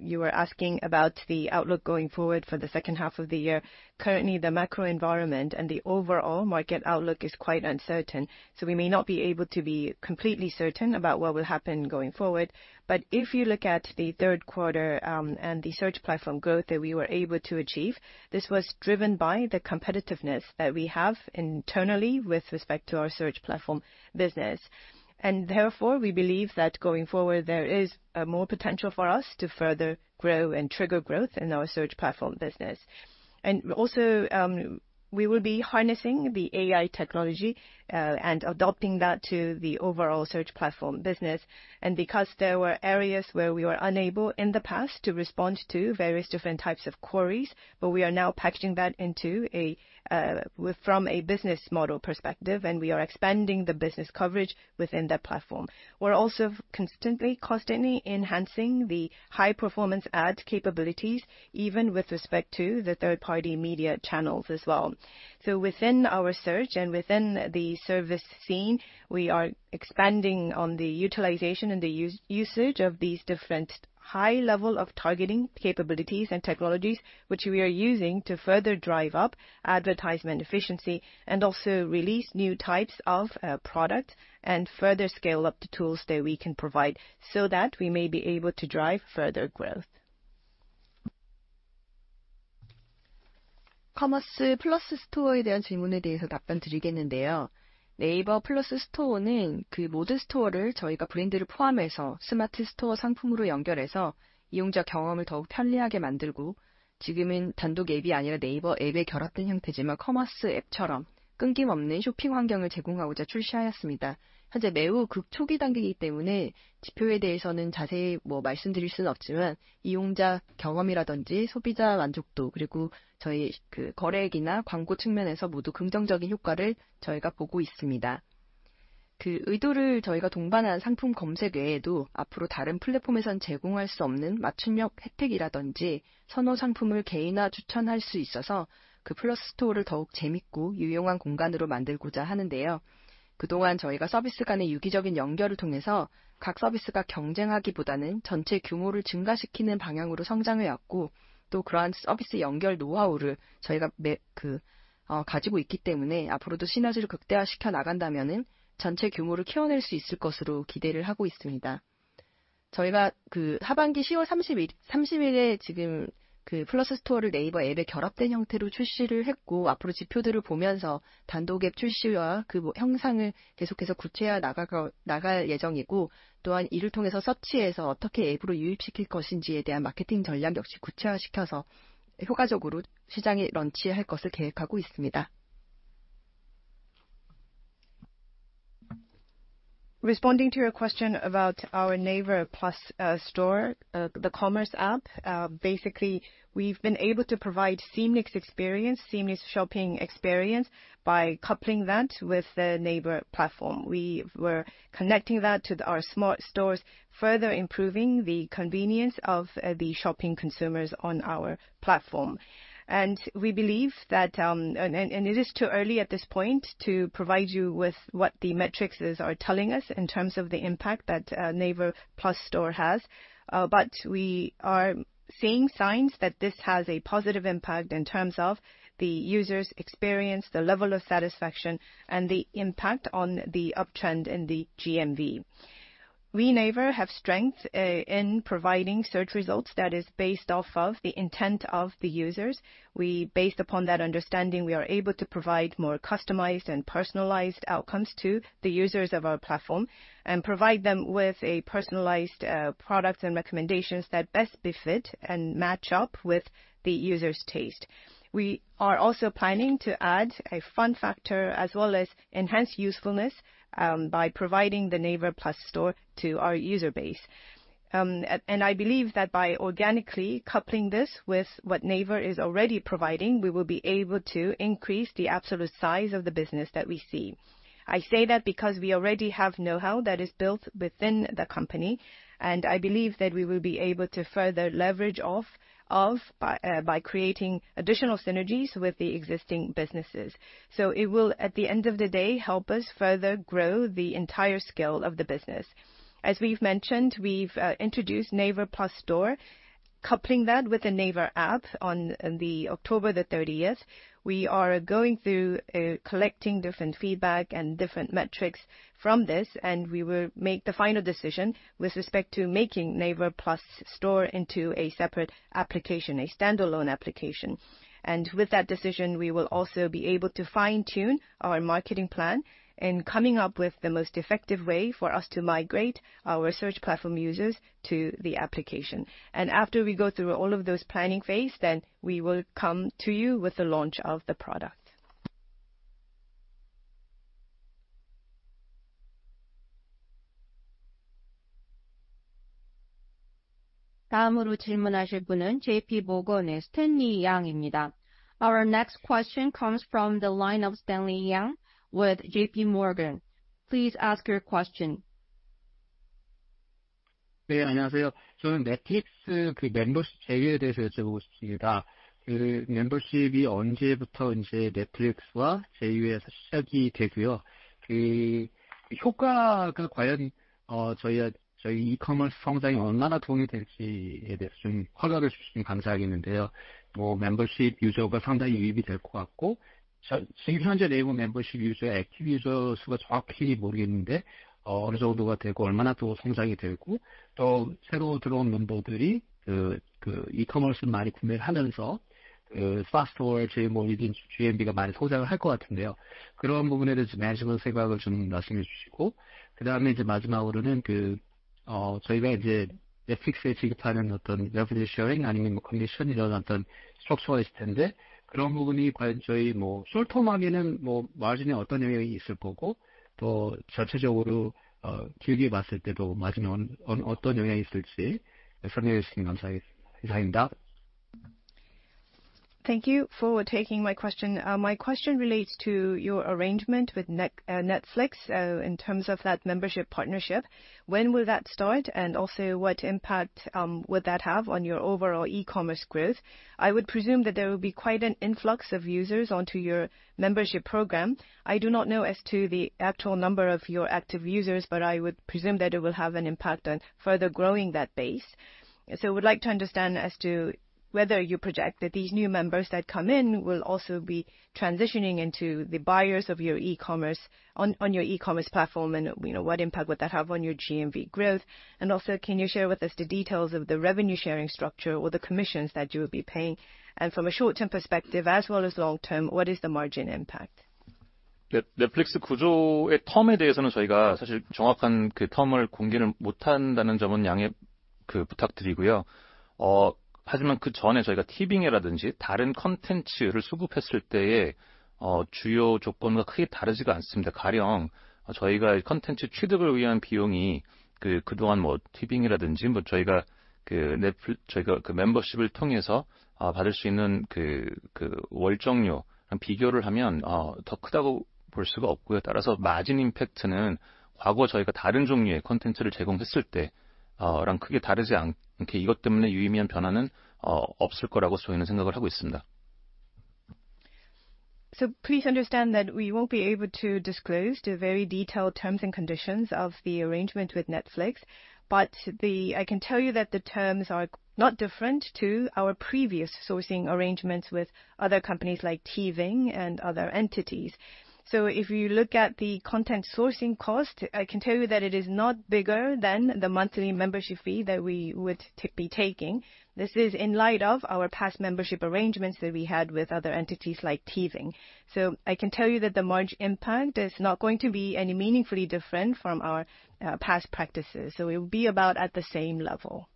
you were asking about the outlook going forward for the second half of the year. Currently, the macro environment and the overall market outlook is quite uncertain, so we may not be able to be completely certain about what will happen going forward. But if you look at the third quarter and the search platform growth that we were able to achieve, this was driven by the competitiveness that we have internally with respect to our search platform business. And therefore, we believe that going forward, there is more potential for us to further grow and trigger growth in our search platform business. And also, we will be harnessing the AI technology and adopting that to the overall search platform business. And because there were areas where we were unable in the past to respond to various different types of queries, but we are now packaging that from a business model perspective, and we are expanding the business coverage within that platform. We're also constantly enhancing the high-performance ad capabilities, even with respect to the third-party media channels as well. So within our search and within the service scene, we are expanding on the utilization and the usage of these different high-level targeting capabilities and technologies, which we are using to further drive up advertisement efficiency and also release new types of products and further scale up the tools that we can provide so that we may be able to drive further growth. 커머스 플러스 스토어에 대한 질문에 대해서 답변드리겠는데요. 네이버 플러스 스토어는 그 모든 스토어를 저희가 브랜드를 포함해서 스마트 스토어 상품으로 연결해서 이용자 경험을 더욱 편리하게 만들고, 지금은 단독 앱이 아니라 네이버 앱에 결합된 형태지만 커머스 앱처럼 끊김 없는 쇼핑 환경을 제공하고자 출시하였습니다. 현재 매우 극초기 단계이기 때문에 지표에 대해서는 자세히 말씀드릴 수는 없지만, 이용자 경험이라든지 소비자 만족도, 그리고 저희 거래액이나 광고 측면에서 모두 긍정적인 효과를 저희가 보고 있습니다. 그 의도를 저희가 동반한 상품 검색 외에도 앞으로 다른 플랫폼에서는 제공할 수 없는 맞춤형 혜택이라든지 선호 상품을 개인화 추천할 수 있어서 그 플러스 스토어를 더욱 재밌고 유용한 공간으로 만들고자 하는데요. 그동안 저희가 서비스 간의 유기적인 연결을 통해서 각 서비스가 경쟁하기보다는 전체 규모를 증가시키는 방향으로 성장해왔고, 또 그러한 서비스 연결 노하우를 저희가 가지고 있기 때문에 앞으로도 시너지를 극대화시켜 나간다면 전체 규모를 키워낼 수 있을 것으로 기대를 하고 있습니다. 저희가 하반기 10월 30일에 지금 플러스 스토어를 네이버 앱에 결합된 형태로 출시를 했고, 앞으로 지표들을 보면서 단독 앱 출시와 그 형상을 계속해서 구체화해 나갈 예정이고, 또한 이를 통해서 서치에서 어떻게 앱으로 유입시킬 것인지에 대한 마케팅 전략 역시 구체화시켜서 효과적으로 시장에 런치할 것을 계획하고 있습니다. Responding to your question about our NAVER Plus Store, the commerce app, basically we've been able to provide seamless experience, seamless shopping experience by coupling that with the NAVER platform. We were connecting that to our Smart Stores, further improving the convenience of the shopping consumers on our platform. We believe that, and it is too early at this point to provide you with what the metrics are telling us in terms of the impact that NAVER Plus Store has, but we are seeing signs that this has a positive impact in terms of the user's experience, the level of satisfaction, and the impact on the uptrend in the GMV. We, NAVER, have strength in providing search results that are based off of the intent of the users. Based upon that understanding, we are able to provide more customized and personalized outcomes to the users of our platform and provide them with personalized products and recommendations that best befit and match up with the user's taste. We are also planning to add a fun factor as well as enhance usefulness by providing the NAVER Plus Store to our user base, and I believe that by organically coupling this with what NAVER is already providing, we will be able to increase the absolute size of the business that we see. I say that because we already have know-how that is built within the company, and I believe that we will be able to further leverage off of by creating additional synergies with the existing businesses, so it will, at the end of the day, help us further grow the entire scale of the business. As we've mentioned, we've introduced NAVER Plus Store, coupling that with the NAVER app on October 30th. We are going through collecting different feedback and different metrics from this, and we will make the final decision with respect to making NAVER Plus Store into a separate application, a standalone application. And with that decision, we will also be able to fine-tune our marketing plan and come up with the most effective way for us to migrate our search platform users to the application. And after we go through all of those planning phases, then we will come to you with the launch of the product. 다음으로 질문하실 분은 JP Morgan의 Stanley Yang입니다. Our next question comes from the line of Stanley Yang with JP Morgan. Please ask your question. 네, 안녕하세요. 저는 넷플릭스 멤버십 제휴에 대해서 여쭤보고 싶습니다. 멤버십이 언제부터 넷플릭스와 제휴해서 시작이 되고요. 그 효과가 과연 저희 이커머스 성장에 얼마나 도움이 될지에 대해서 좀 확인해 주시면 감사하겠는데요. 멤버십 유저가 상당히 유입이 될것 같고, 지금 현재 네이버 멤버십 유저의 액티브 유저 수가 정확히 모르겠는데, 어느 정도가 되고 얼마나 또 성장이 되고, 또 새로 들어온 멤버들이 그 이커머스를 많이 구매를 하면서 going forward, GMV 가 많이 성장을 할것 같은데요. 그런 부분에 대해서 매니지먼트 생각을 좀 말씀해 주시고, 그다음에 이제 마지막으로는 저희가 이제 넷플릭스에 지급하는 어떤 레버리지 쉐어링 아니면 컨디션 이런 어떤 스트럭처가 있을 텐데, 그런 부분이 과연 저희 뭐 숏텀 하기는 마진에 어떤 영향이 있을 거고, 또 전체적으로 길게 봤을 때도 마진에 어떤 영향이 있을지 설명해 주시면 감사하겠습니다. 이상입니다. Thank you for taking my question. My question relates to your arrangement with Netflix in terms of that membership partnership. When will that start, and also what impact would that have on your overall e-commerce growth? I would presume that there will be quite an influx of users onto your membership program. I do not know as to the actual number of your active users, but I would presume that it will have an impact on further growing that base. So I would like to understand as to whether you project that these new members that come in will also be transitioning into the buyers of your e-commerce on your e-commerce platform, and what impact would that have on your GMV growth? And also, can you share with us the details of the revenue sharing structure or the commissions that you will be paying? And from a short-term perspective, as well as long-term, what is the margin impact? 넷플릭스 구조의 텀에 대해서는 저희가 사실 정확한 그 텀을 공개를 못한다는 점은 양해 부탁드리고요. 하지만 그 전에 저희가 티빙이라든지 다른 콘텐츠를 수급했을 때의 주요 조건과 크게 다르지가 않습니다. 가령 저희가 콘텐츠 취득을 위한 비용이 그동안 TVING이라든지 저희가 멤버십을 통해서 받을 수 있는 월정료랑 비교를 하면 더 크다고 볼 수가 없고요. 따라서 마진 임팩트는 과거 저희가 다른 종류의 콘텐츠를 제공했을 때랑 크게 다르지 않게 이것 때문에 유의미한 변화는 없을 거라고 저희는 생각을 하고 있습니다. Please understand that we won't be able to disclose the very detailed terms and conditions of the arrangement with Netflix, but I can tell you that the terms are not different from our previous sourcing arrangements with other companies like TVING and other entities. If you look at the content sourcing cost, I can tell you that it is not bigger than the monthly membership fee that we would be taking. This is in light of our past membership arrangements that we had with other entities like TVING. I can tell you that the margin impact is not going to be any meaningfully different from our past practices. It will be about at the same level.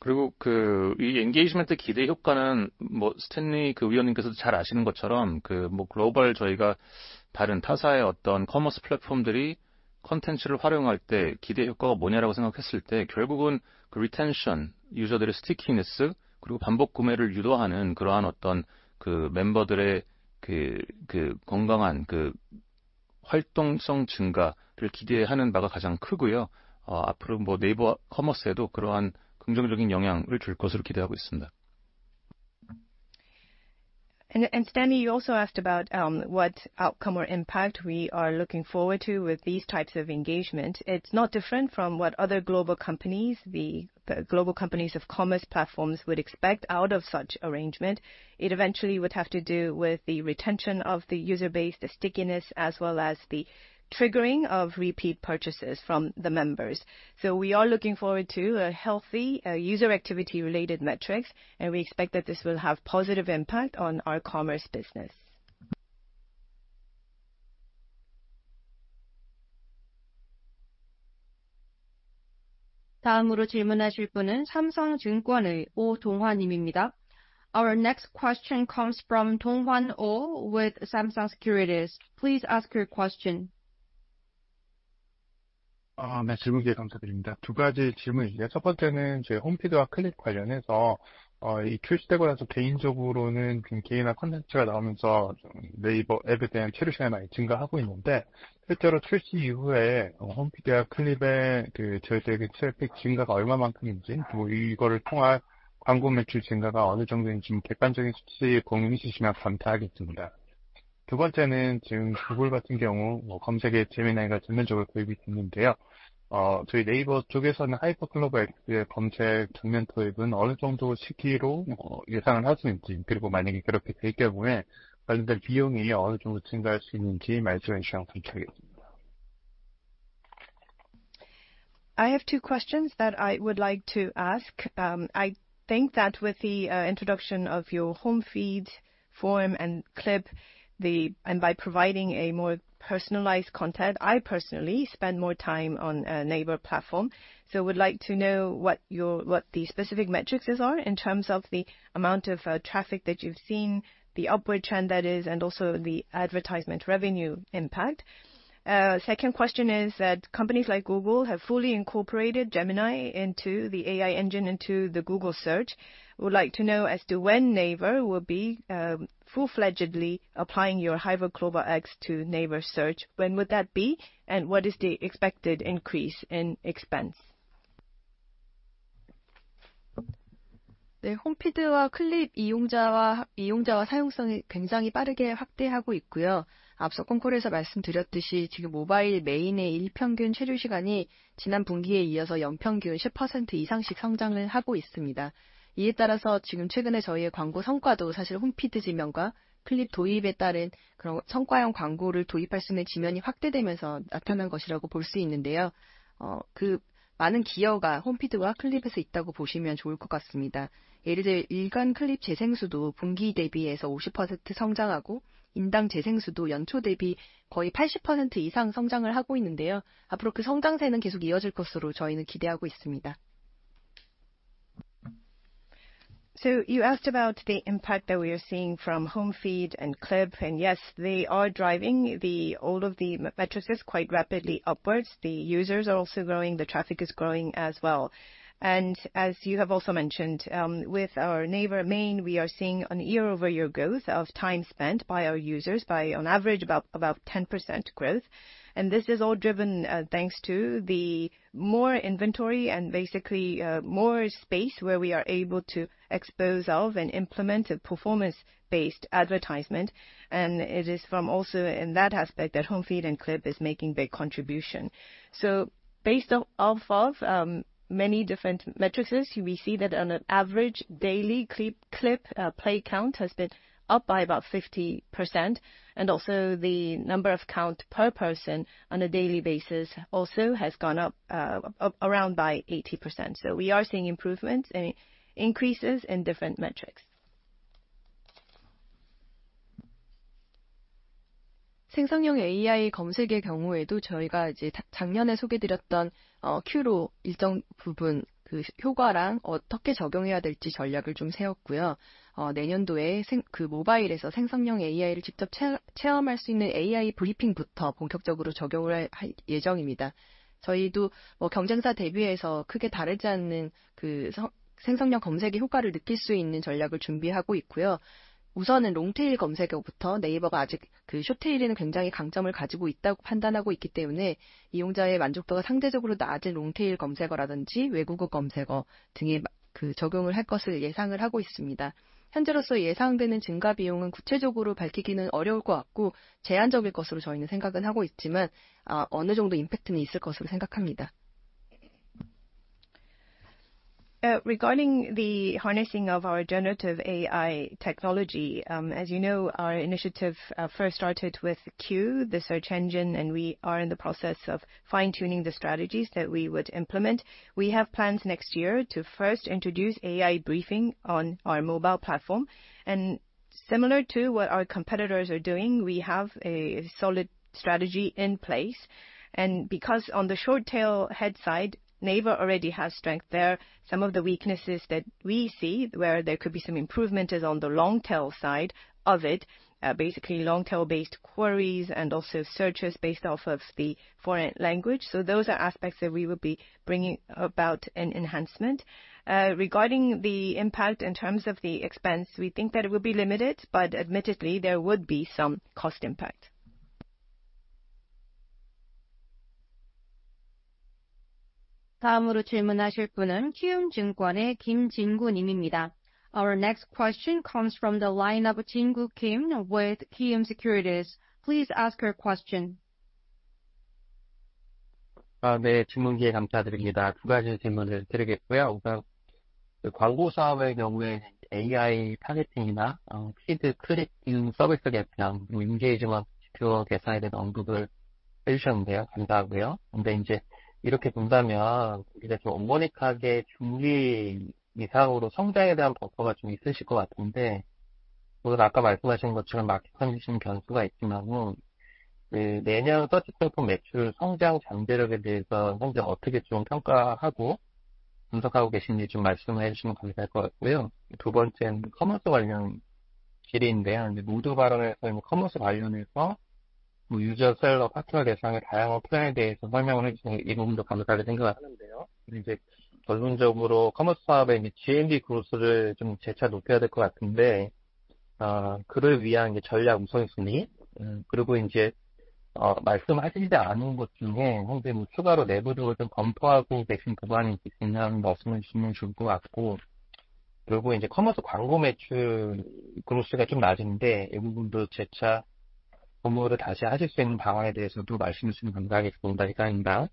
그리고 그이 엔게이지먼트 기대 효과는 스탠리 위원님께서도 잘 아시는 것처럼 글로벌 저희가 다른 타사의 어떤 커머스 플랫폼들이 콘텐츠를 활용할 때 기대 효과가 뭐냐라고 생각했을 때 결국은 리텐션, 유저들의 스티키니스, 그리고 반복 구매를 유도하는 그러한 어떤 그 멤버들의 그 건강한 그 활동성 증가를 기대하는 바가 가장 크고요. 앞으로 네이버 커머스에도 그러한 긍정적인 영향을 줄 것으로 기대하고 있습니다. Stanley, you also asked about what outcome or impact we are looking forward to with these types of engagement. It's not different from what other global companies, the global companies of commerce platforms, would expect out of such arrangement. It eventually would have to do with the retention of the user base, the stickiness, as well as the triggering of repeat purchases from the members. So we are looking forward to a healthy user activity-related metrics, and we expect that this will have a positive impact on our commerce business. 다음으로 질문하실 분은 삼성증권의 오동환 님입니다. Our next question comes from Donghwan Oh with Samsung Securities. Please ask your question. 네, 질문 기회 감사드립니다. 두 가지 질문이 있습니다. 첫 번째는 저희 홈피드와 클립 관련해서 출시되고 나서 개인적으로는 개인화 콘텐츠가 나오면서 네이버 앱에 대한 체류 시간이 많이 증가하고 있는데, 실제로 출시 이후에 홈피드와 클립의 저희들에게 트래픽 증가가 얼마만큼인지, 이거를 통한 광고 매출 증가가 어느 정도인지 객관적인 수치 공유해 주시면 감사하겠습니다. 두 번째는 지금 구글 같은 경우 검색에 Gemini가 전면적으로 도입이 됐는데요. 저희 NAVER 쪽에서는 HyperCLOVA X의 검색 전면 도입은 어느 정도 시기로 예상을 할수 있는지, 그리고 만약에 그렇게 될 경우에 관련된 비용이 어느 정도 증가할 수 있는지 말씀해 주시면 감사하겠습니다. I have two questions that I would like to ask. I think that with the introduction of your Home Feed, forum, and Clip, and by providing a more personalized content, I personally spend more time on a Naver platform. So I would like to know what the specific metrics are in terms of the amount of traffic that you've seen, the upward trend that is, and also the advertisement revenue impact. Second question is that companies like Google have fully incorporated Gemini into the AI engine, into the Google search. I would like to know as to when Naver will be full-fledgedly applying your HyperCLOVA X to Naver Search. When would that be, and what is the expected increase in expense? 네, 홈피드와 클립 이용자와 사용성이 굉장히 빠르게 확대하고 있고요. 앞서 컨콜에서 말씀드렸듯이 지금 모바일 메인의 일평균 체류 시간이 지난 분기에 이어서 연평균 10% 이상씩 성장을 하고 있습니다. 이에 따라서 지금 최근에 저희의 광고 성과도 사실 홈피드 지면과 클립 도입에 따른 그런 성과형 광고를 도입할 수 있는 지면이 확대되면서 나타난 것이라고 볼수 있는데요. 그 많은 기여가 홈피드와 클립에서 있다고 보시면 좋을 것 같습니다. 예를 들어 일간 클립 재생수도 분기 대비해서 50% 성장하고, 인당 재생수도 연초 대비 거의 80% 이상 성장을 하고 있는데요. 앞으로 그 성장세는 계속 이어질 것으로 저희는 기대하고 있습니다. So you asked about the impact that we are seeing from Home Feed and Clip, and yes, they are driving all of the metrics quite rapidly upwards. The users are also growing, the traffic is growing as well. As you have also mentioned, with our NAVER main, we are seeing a year-over-year growth of time spent by our users by, on average, about 10% growth. This is all driven thanks to the more inventory and basically more space where we are able to expose and implement performance-based advertisement. It is from also in that aspect that Home Feed and Clip is making a big contribution. Based off of many different metrics, we see that on average daily Clip play count has been up by about 50%. Also the number of counts per person on a daily basis also has gone up around by 80%. We are seeing improvements and increases in different metrics. 생성형 AI 검색의 경우에도 저희가 이제 작년에 소개드렸던 Q로 일정 부분 그 효과랑 어떻게 적용해야 될지 전략을 좀 세웠고요. 내년도에 모바일에서 생성형 AI를 직접 체험할 수 있는 AI 브리핑부터 본격적으로 적용을 할 예정입니다. 저희도 경쟁사 대비해서 크게 다르지 않는 그 생성형 검색의 효과를 느낄 수 있는 전략을 준비하고 있고요. 우선은 롱테일 검색어부터 네이버가 아직 그 숏테일에는 굉장히 강점을 가지고 있다고 판단하고 있기 때문에 이용자의 만족도가 상대적으로 낮은 롱테일 검색어라든지 외국어 검색어 등에 적용을 할 것을 예상을 하고 있습니다. 현재로서 예상되는 증가 비용은 구체적으로 밝히기는 어려울 것 같고 제한적일 것으로 저희는 생각은 하고 있지만 어느 정도 임팩트는 있을 것으로 생각합니다. Regarding the harnessing of our generative AI technology, as you know, our initiative first started with CUE, the search engine, and we are in the process of fine-tuning the strategies that we would implement. We have plans next year to first introduce AI Briefing on our mobile platform, and similar to what our competitors are doing, we have a solid strategy in place. Because on the short-tail head side, NAVER already has strength there. Some of the weaknesses that we see where there could be some improvement is on the long-tail side of it, basically long-tail-based queries and also searches based off of the foreign language. Those are aspects that we would be bringing about an enhancement. Regarding the impact in terms of the expense, we think that it would be limited, but admittedly there would be some cost impact. 다음으로 질문하실 분은 키움증권의 김진구 님입니다. Our next question comes from the line of Jin-gu Kim with Kiwoom Securities. Please ask your question. 네, 질문 기회 감사드립니다. 두 가지 질문을 드리겠고요. 우선 광고 사업의 경우에는 AI 타겟팅이나 피드 크리팅 서비스 개편, 그리고 인게이지먼트 지표 개선에 대해서 언급을 해주셨는데요. 감사하고요. 근데 이제 이렇게 본다면 우리가 좀 어머니카게 중기 이상으로 성장에 대한 버퍼가 좀 있으실 것 같은데, 우선 아까 말씀하신 것처럼 마켓 컨디션 변수가 있지만, 그 내년 서치 플랫폼 매출 성장 잠재력에 대해서 현재 어떻게 좀 평가하고 분석하고 계신지 좀 말씀해 주시면 감사할 것 같고요. 두 번째는 커머스 관련 질의인데요. 노드 발언에서 커머스 관련해서 유저, 셀러, 파트너 대상의 다양한 플랜에 대해서 설명을 해주신 이 부분도 감사하게 생각을 하는데요. 이제 결론적으로 커머스 사업의 GMV 그로스를 좀 재차 높여야 될것 같은데, 그를 위한 전략 우선순위, 그리고 이제 말씀하시지 않은 것 중에 현재 추가로 내부적으로 좀 검토하고 계신 부분이 있으시면 말씀해 주시면 좋을 것 같고, 그리고 이제 커머스 광고 매출 그로스가 좀 낮은데, 이 부분도 재차 검토를 다시 하실 수 있는 방안에 대해서도 말씀해 주시면 감사하겠습니다. 이상입니다.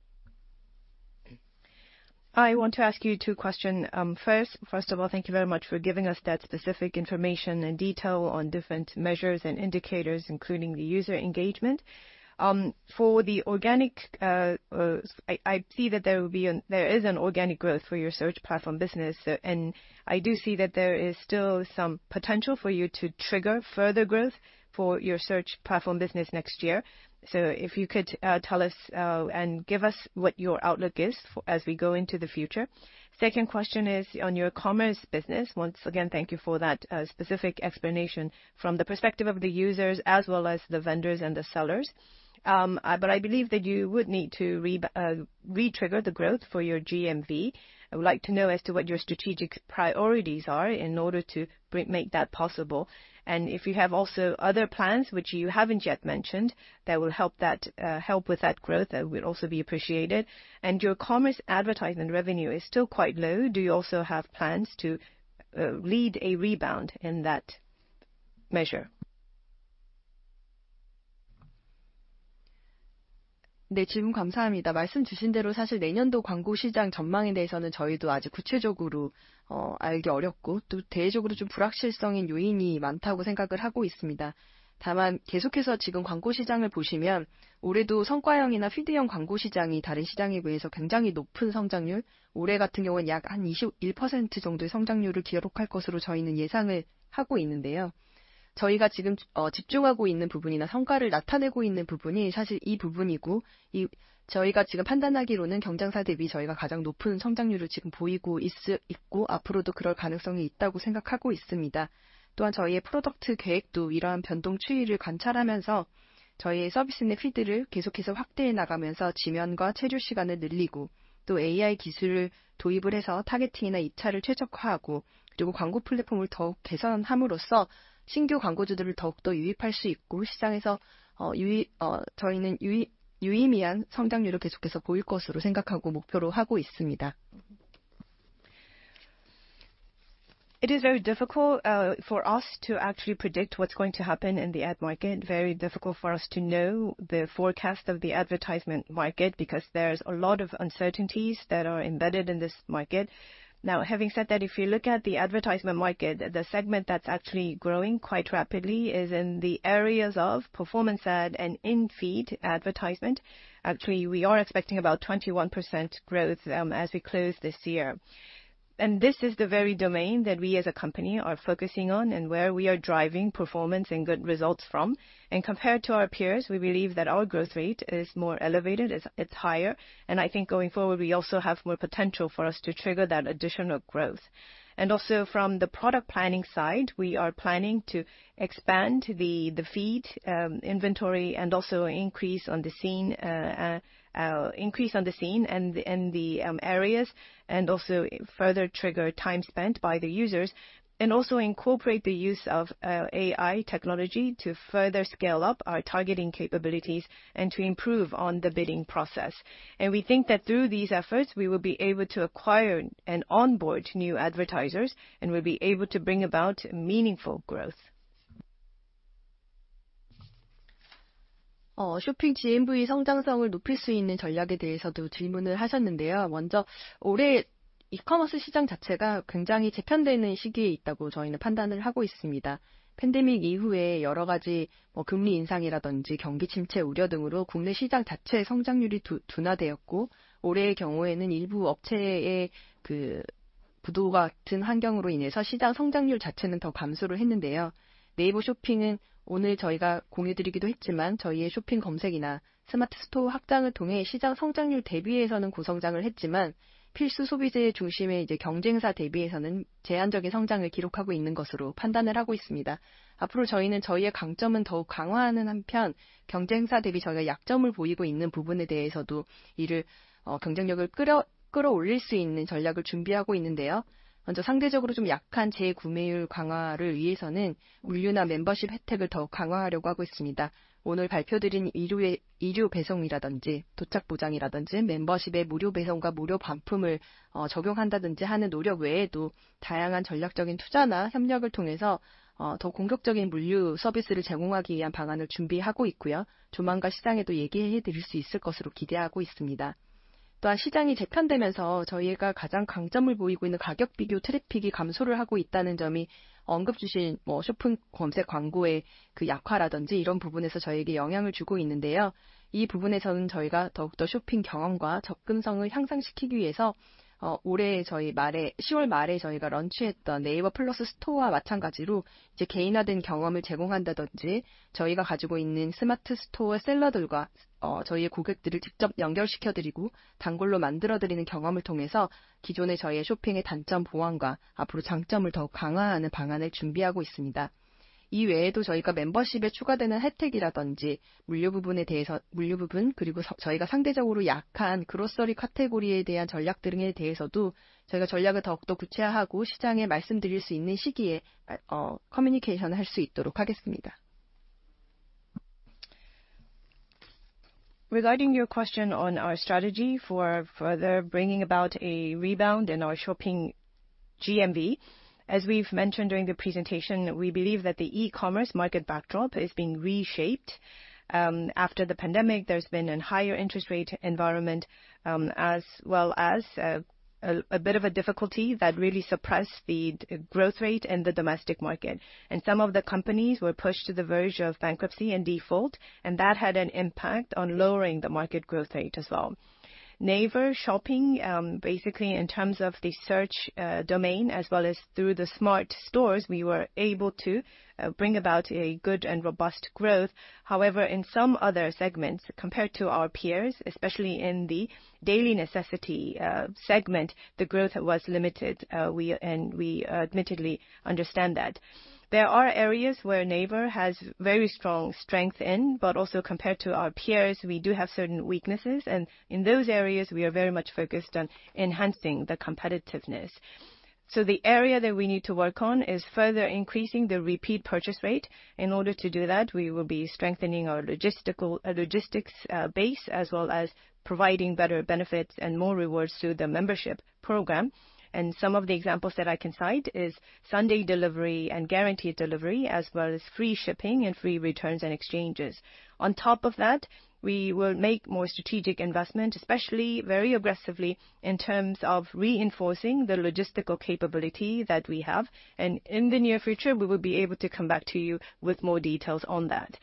I want to ask you two questions. First of all, thank you very much for giving us that specific information and detail on different measures and indicators, including the user engagement. For the organic, I see that there is an organic growth for your search platform business, and I do see that there is still some potential for you to trigger further growth for your search platform business next year. So if you could tell us and give us what your outlook is as we go into the future? Second question is on your commerce business. Once again, thank you for that specific explanation from the perspective of the users as well as the vendors and the sellers. But I believe that you would need to retrigger the growth for your GMV. I would like to know as to what your strategic priorities are in order to make that possible? And if you have also other plans, which you haven't yet mentioned, that will help with that growth, that would also be appreciated. And your commerce advertisement revenue is still quite low. Do you also have plans to lead a rebound in that measure? 네, 질문 감사합니다. 말씀 주신 대로 사실 내년도 광고 시장 전망에 대해서는 저희도 아직 구체적으로 알기 어렵고, 또 대외적으로 좀 불확실성인 요인이 많다고 생각을 하고 있습니다. 다만 계속해서 지금 광고 시장을 보시면 올해도 성과형이나 피드형 광고 시장이 다른 시장에 비해서 굉장히 높은 성장률, 올해 같은 경우에는 약한 21% 정도의 성장률을 기록할 것으로 저희는 예상을 하고 있는데요. 저희가 지금 집중하고 있는 부분이나 성과를 나타내고 있는 부분이 사실 이 부분이고, 저희가 지금 판단하기로는 경쟁사 대비 저희가 가장 높은 성장률을 지금 보이고 있고, 앞으로도 그럴 가능성이 있다고 생각하고 있습니다. 또한 저희의 프로덕트 계획도 이러한 변동 추이를 관찰하면서 저희의 서비스 내 피드를 계속해서 확대해 나가면서 지면과 체류 시간을 늘리고, 또 AI 기술을 도입을 해서 타겟팅이나 입찰을 최적화하고, 그리고 광고 플랫폼을 더욱 개선함으로써 신규 광고주들을 더욱더 유입할 수 있고, 시장에서 저희는 유의미한 성장률을 계속해서 보일 것으로 생각하고 목표로 하고 있습니다. It is very difficult for us to actually predict what's going to happen in the ad market. Very difficult for us to know the forecast of the advertisement market because there's a lot of uncertainties that are embedded in this market. Now, having said that, if you look at the advertisement market, the segment that's actually growing quite rapidly is in the areas of performance ad and in-feed advertisement. Actually, we are expecting about 21% growth as we close this year. This is the very domain that we as a company are focusing on and where we are driving performance and good results from. And compared to our peers, we believe that our growth rate is more elevated. It's higher. And I think going forward, we also have more potential for us to trigger that additional growth. And also from the product planning side, we are planning to expand the feed inventory and also increase on the scene and the areas, and also further trigger time spent by the users, and also incorporate the use of AI technology to further scale up our targeting capabilities and to improve on the bidding process. And we think that through these efforts, we will be able to acquire and onboard new advertisers and will be able to bring about meaningful growth. 쇼핑 GMV 성장성을 높일 수 있는 전략에 대해서도 질문을 하셨는데요. 먼저 올해 이커머스 시장 자체가 굉장히 재편되는 시기에 있다고 저희는 판단을 하고 있습니다. 팬데믹 이후에 여러 가지 금리 인상이라든지 경기 침체 우려 등으로 국내 시장 자체의 성장률이 둔화되었고, 올해의 경우에는 일부 업체의 부도 같은 환경으로 인해서 시장 성장률 자체는 더 감소를 했는데요. 네이버 쇼핑은 오늘 저희가 공유드리기도 했지만, 저희의 쇼핑 검색이나 스마트 스토어 확장을 통해 시장 성장률 대비해서는 고성장을 했지만, 필수 소비재의 중심에 이제 경쟁사 대비해서는 제한적인 성장을 기록하고 있는 것으로 판단을 하고 있습니다. 앞으로 저희는 저희의 강점은 더욱 강화하는 한편, 경쟁사 대비 저희가 약점을 보이고 있는 부분에 대해서도 이를 경쟁력을 끌어올릴 수 있는 전략을 준비하고 있는데요. 먼저 상대적으로 좀 약한 재구매율 강화를 위해서는 물류나 멤버십 혜택을 더욱 강화하려고 하고 있습니다. 오늘 발표드린 의류 배송이라든지 도착 보장이라든지 멤버십의 무료 배송과 무료 반품을 적용한다든지 하는 노력 외에도 다양한 전략적인 투자나 협력을 통해서 더 공격적인 물류 서비스를 제공하기 위한 방안을 준비하고 있고요. 조만간 시장에도 얘기해 드릴 수 있을 것으로 기대하고 있습니다. 또한 시장이 재편되면서 저희가 가장 강점을 보이고 있는 가격 비교 트래픽이 감소를 하고 있다는 점이 언급 주신 쇼핑 검색 광고의 약화라든지 이런 부분에서 저희에게 영향을 주고 있는데요. 이 부분에서는 저희가 더욱더 쇼핑 경험과 접근성을 향상시키기 위해서 올해 저희 말에 10월 말에 저희가 런치했던 네이버 플러스 스토어와 마찬가지로 이제 개인화된 경험을 제공한다든지 저희가 가지고 있는 스마트 스토어 셀러들과 저희의 고객들을 직접 연결시켜 드리고 단골로 만들어 드리는 경험을 통해서 기존의 저희의 쇼핑의 단점 보완과 앞으로 장점을 더욱 강화하는 방안을 준비하고 있습니다. 이 외에도 저희가 멤버십에 추가되는 혜택이라든지 물류 부분에 대해서 그리고 저희가 상대적으로 약한 그로서리 카테고리에 대한 전략 등에 대해서도 저희가 전략을 더욱더 구체화하고 시장에 말씀드릴 수 있는 시기에 커뮤니케이션을 할수 있도록 하겠습니다. Regarding your question on our strategy for further bringing about a rebound in our shopping GMV, as we've mentioned during the presentation, we believe that the e-commerce market backdrop is being reshaped. After the pandemic, there's been a higher interest rate environment, as well as a bit of a difficulty that really suppressed the growth rate in the domestic market, and some of the companies were pushed to the verge of bankruptcy and default, and that had an impact on lowering the market growth rate as well. NAVER Shopping, basically in terms of the search domain as well as through the Smart Stores, we were able to bring about a good and robust growth. However, in some other segments compared to our peers, especially in the daily necessity segment, the growth was limited, and we admittedly understand that. There are areas where NAVER has very strong strength in, but also compared to our peers, we do have certain weaknesses, and in those areas, we are very much focused on enhancing the competitiveness. So the area that we need to work on is further increasing the repeat purchase rate. In order to do that, we will be strengthening our logistics base as well as providing better benefits and more rewards through the membership program. And some of the examples that I can cite are Sunday delivery and guaranteed delivery, as well as free shipping and free returns and exchanges. On top of that, we will make more strategic investment, especially very aggressively in terms of reinforcing the logistical capability that we have. And in the near future, we will be able to come back to you with more details on that.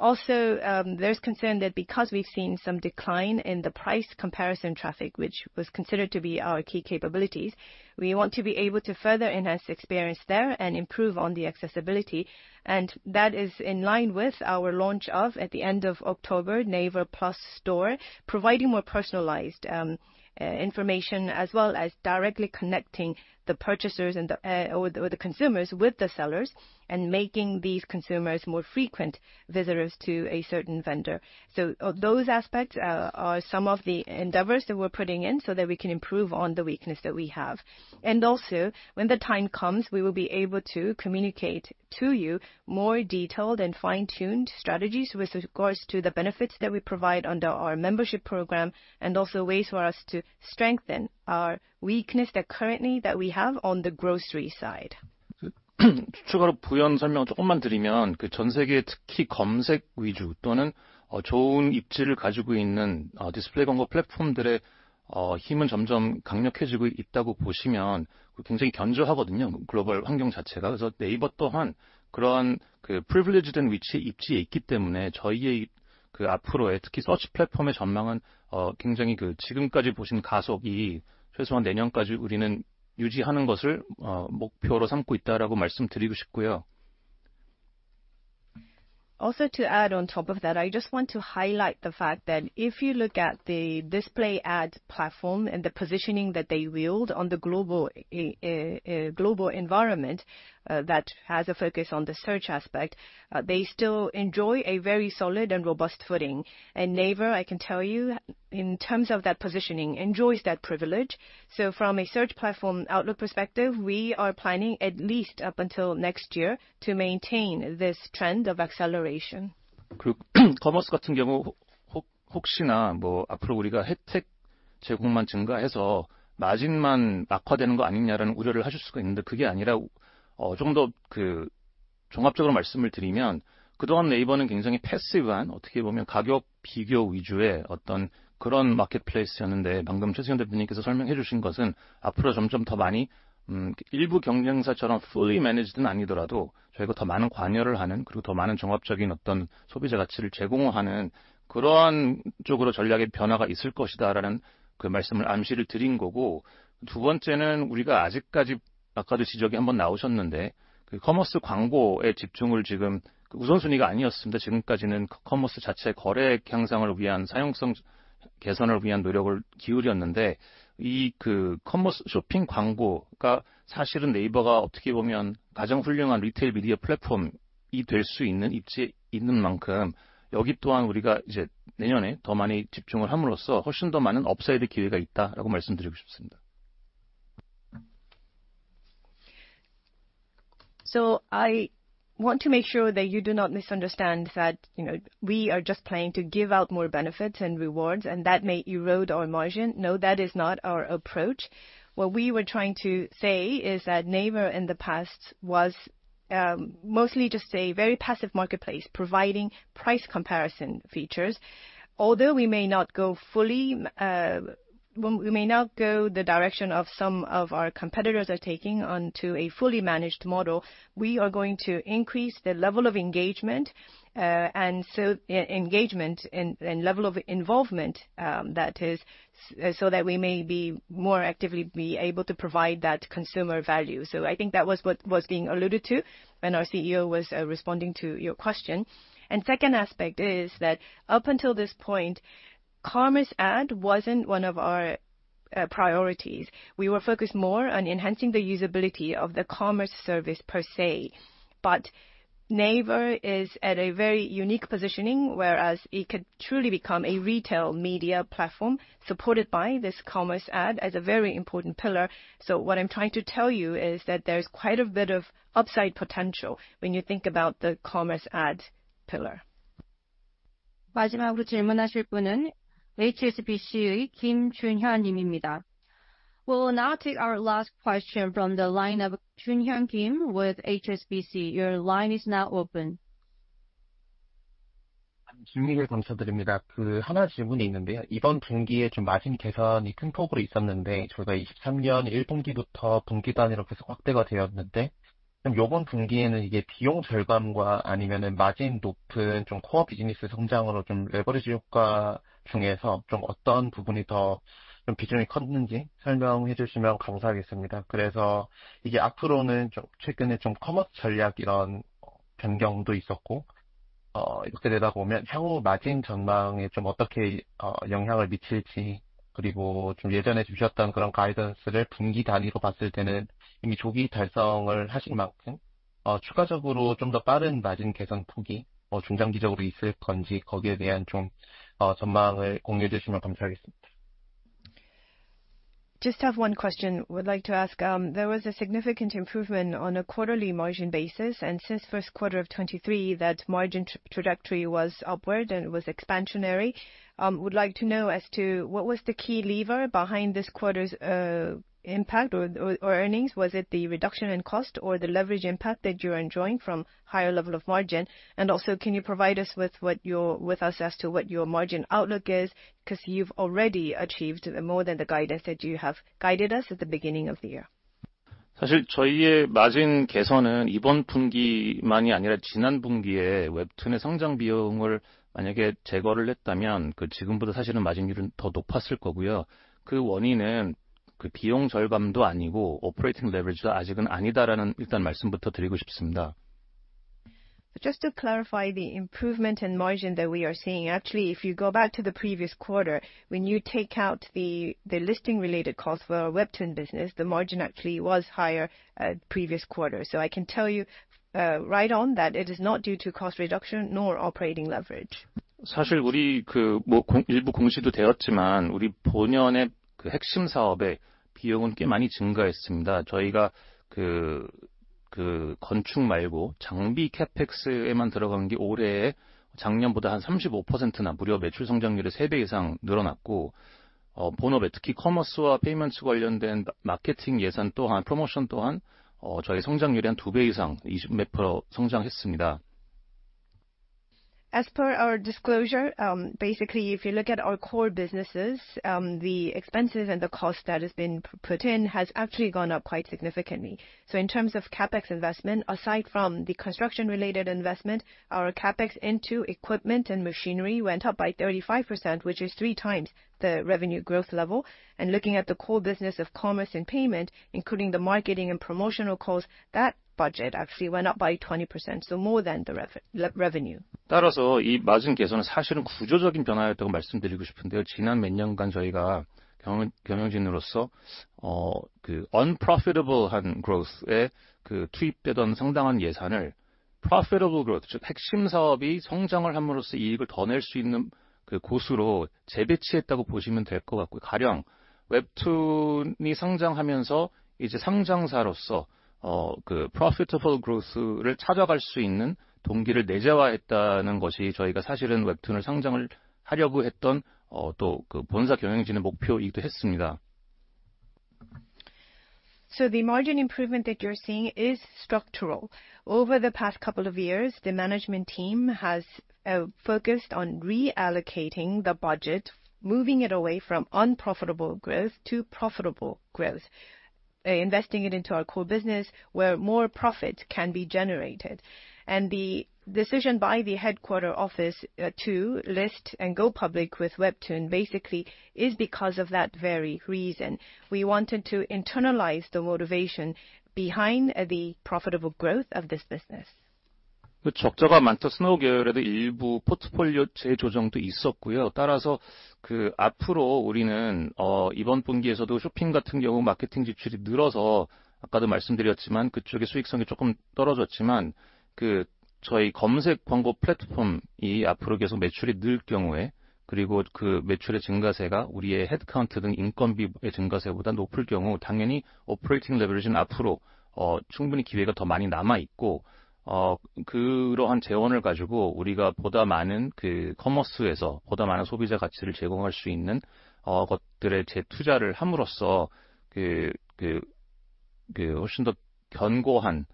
Also, there's concern that because we've seen some decline in the price comparison traffic, which was considered to be our key capabilities, we want to be able to further enhance experience there and improve on the accessibility, and that is in line with our launch of, at the end of October, NAVER Plus Store, providing more personalized information as well as directly connecting the purchasers and the consumers with the sellers and making these consumers more frequent visitors to a certain vendor, so those aspects are some of the endeavors that we're putting in so that we can improve on the weakness that we have. And also, when the time comes, we will be able to communicate to you more detailed and fine-tuned strategies with regards to the benefits that we provide under our membership program and also ways for us to strengthen our weakness that currently we have on the grocery side. 추가로 부연 설명을 조금만 드리면, 전 세계에 특히 검색 위주 또는 좋은 입지를 가지고 있는 디스플레이 광고 플랫폼들의 힘은 점점 강력해지고 있다고 보시면 굉장히 견조하거든요. 글로벌 환경 자체가. 그래서 네이버 또한 그러한 프리빌리지된 위치에 입지에 있기 때문에 저희의 앞으로의 특히 서치 플랫폼의 전망은 굉장히 지금까지 보신 가속이 최소한 내년까지 우리는 유지하는 것을 목표로 삼고 있다라고 말씀드리고 싶고요. Also to add on top of that, I just want to highlight the fact that if you look at the display ad platform and the positioning that they wield on the global environment that has a focus on the search aspect, they still enjoy a very solid and robust footing. And NAVER, I can tell you, in terms of that positioning, enjoys that privilege. So from a search platform outlook perspective, we are planning at least up until next year to maintain this trend of acceleration. 커머스 같은 경우 혹시나 앞으로 우리가 혜택 제공만 증가해서 마진만 악화되는 거 아니냐라는 우려를 하실 수가 있는데, 그게 아니라 조금 더 종합적으로 말씀을 드리면, 그동안 네이버는 굉장히 패시브한, 어떻게 보면 가격 비교 위주의 어떤 그런 마켓플레이스였는데, 방금 최수연 대표님께서 설명해 주신 것은 앞으로 점점 더 많이 일부 경쟁사처럼 풀리 매니지드는 아니더라도 저희가 더 많은 관여를 하는, 그리고 더 많은 종합적인 어떤 소비자 가치를 제공하는 그러한 쪽으로 전략의 변화가 있을 것이다라는 말씀을 암시를 드린 거고, 두 번째는 우리가 아직까지 아까도 지적이 한번 나오셨는데, 커머스 광고에 집중을 지금 우선순위가 아니었습니다. 지금까지는 커머스 자체의 거래 향상을 위한 사용성 개선을 위한 노력을 기울였는데, 이 커머스 쇼핑 광고가 사실은 네이버가 어떻게 보면 가장 훌륭한 리테일 미디어 플랫폼이 될수 있는 입지에 있는 만큼, 여기 또한 우리가 이제 내년에 더 많이 집중을 함으로써 훨씬 더 많은 업사이드 기회가 있다라고 말씀드리고 싶습니다. So I want to make sure that you do not misunderstand that we are just playing to give out more benefits and rewards and that may erode our margin. No, that is not our approach. What we were trying to say is that NAVER in the past was mostly just a very passive marketplace providing price comparison features. Although we may not go fully, we may not go the direction of some of our competitors are taking onto a fully managed model, we are going to increase the level of engagement and so engagement and level of involvement that is so that we may be more actively be able to provide that consumer value. So I think that was what was being alluded to when our CEO was responding to your question. And second aspect is that up until this point, commerce ad wasn't one of our priorities. We were focused more on enhancing the usability of the commerce service per se but NAVER is at a very unique positioning whereas it could truly become a retail media platform supported by this commerce ad as a very important pillar so what I'm trying to tell you is that there's quite a bit of upside potential when you think about the commerce ad pillar. 마지막으로 질문하실 분은 HSBC의 김준현 님입니다. We'll now take our last question from the line of Junhyun Kim with HSBC. Your line is now open. 준현 님 감사드립니다. 그 하나 질문이 있는데요. 이번 분기에 좀 마진 개선이 큰 폭으로 있었는데, 저희가 2023년 1분기부터 분기 단위로 계속 확대가 되었는데, 그럼 이번 분기에는 이게 비용 절감과 아니면 마진 높은 좀 코어 비즈니스 성장으로 좀 레버리지 효과 중에서 좀 어떤 부분이 더좀 비중이 컸는지 설명해 주시면 감사하겠습니다. 그래서 이게 앞으로는 좀 최근에 좀 커머스 전략 이런 변경도 있었고, 이렇게 되다 보면 향후 마진 전망에 좀 어떻게 영향을 미칠지, 그리고 좀 예전에 주셨던 그런 가이던스를 분기 단위로 봤을 때는 이미 조기 달성을 하신 만큼 추가적으로 좀더 빠른 마진 개선 폭이 중장기적으로 있을 건지, 거기에 대한 좀 전망을 공유해 주시면 감사하겠습니다. Just have one question we'd like to ask. There was a significant improvement on a quarterly margin basis, and since first quarter of 2023, that margin trajectory was upward and was expansionary. We'd like to know as to what was the key lever behind this quarter's impact or earnings. Was it the reduction in cost or the leverage impact that you're enjoying from higher level of margin? And also, can you provide us with what you're with us as to what your margin outlook is? Because you've already achieved more than the guidance that you have guided us at the beginning of the year. 사실 저희의 마진 개선은 이번 분기만이 아니라 지난 분기에 웹툰의 성장 비용을 만약에 제거를 했다면, 그 지금보다 사실은 마진율은 더 높았을 거고요. 그 원인은 그 비용 절감도 아니고 오퍼레이팅 레버리지도 아직은 아니다라는 일단 말씀부터 드리고 싶습니다. Just to clarify the improvement in margin that we are seeing, actually, if you go back to the previous quarter, when you take out the listing-related cost for our Webtoon business, the margin actually was higher previous quarter. So I can tell you right on that it is not due to cost reduction nor operating leverage. 사실 우리 그뭐 일부 공시도 되었지만, 우리 본연의 핵심 사업의 비용은 꽤 많이 증가했습니다. 저희가 그 건축 말고 장비 CAPEX에만 들어간 게 올해 작년보다 한 35%나 무려 매출 성장률이 3배 이상 늘어났고, 본업에 특히 커머스와 페이먼츠 관련된 마케팅 예산 또한 프로모션 또한 저희 성장률이 한 2배 이상 20몇 % 성장했습니다. As per our disclosure, basically if you look at our core businesses, the expenses and the cost that has been put in has actually gone up quite significantly. So in terms of CapEx investment, aside from the construction-related investment, our CapEx into equipment and machinery went up by 35%, which is three times the revenue growth level. And looking at the core business of commerce and payments, including the marketing and promotional costs, that budget actually went up by 20%, so more than the revenue. 따라서 이 마진 개선은 사실은 구조적인 변화였다고 말씀드리고 싶은데요. 지난 몇 년간 저희가 경영진으로서 언프라피터블한 그로스에 투입되던 상당한 예산을 프라피터블 그로스, 즉 핵심 사업이 성장을 함으로써 이익을 더낼수 있는 그 곳으로 재배치했다고 보시면 될것 같고요. 가령 웹툰이 성장하면서 이제 상장사로서 프라피터블 그로스를 찾아갈 수 있는 동기를 내재화했다는 것이 저희가 사실은 웹툰을 상장을 하려고 했던 또그 본사 경영진의 목표이기도 했습니다. So the margin improvement that you're seeing is structural. Over the past couple of years, the management team has focused on reallocating the budget, moving it away from unprofitable growth to profitable growth, investing it into our core business where more profit can be generated. And the decision by the headquarters office to list and go public with Webtoon basically is because of that very reason. We wanted to internalize the motivation behind the profitable growth of this business. 적자가 많았던 스노우 계열에도 일부 포트폴리오 재조정도 있었고요. 따라서 그 앞으로 우리는 이번 분기에서도 쇼핑 같은 경우 마케팅 지출이 늘어서 아까도 말씀드렸지만 그쪽의 수익성이 조금 떨어졌지만, 그 저희 검색 광고 플랫폼이 앞으로 계속 매출이 늘 경우에, 그리고 그 매출의 증가세가 우리의 헤드카운트 등 인건비의 증가세보다 높을 경우, 당연히 오퍼레이팅 레버리지는 앞으로 충분히 기회가 더 많이 남아 있고, 그러한 재원을 가지고 우리가 보다 많은 그 커머스에서 보다 많은 소비자 가치를 제공할 수 있는 것들에 재투자를 함으로써 그 훨씬 더 견고한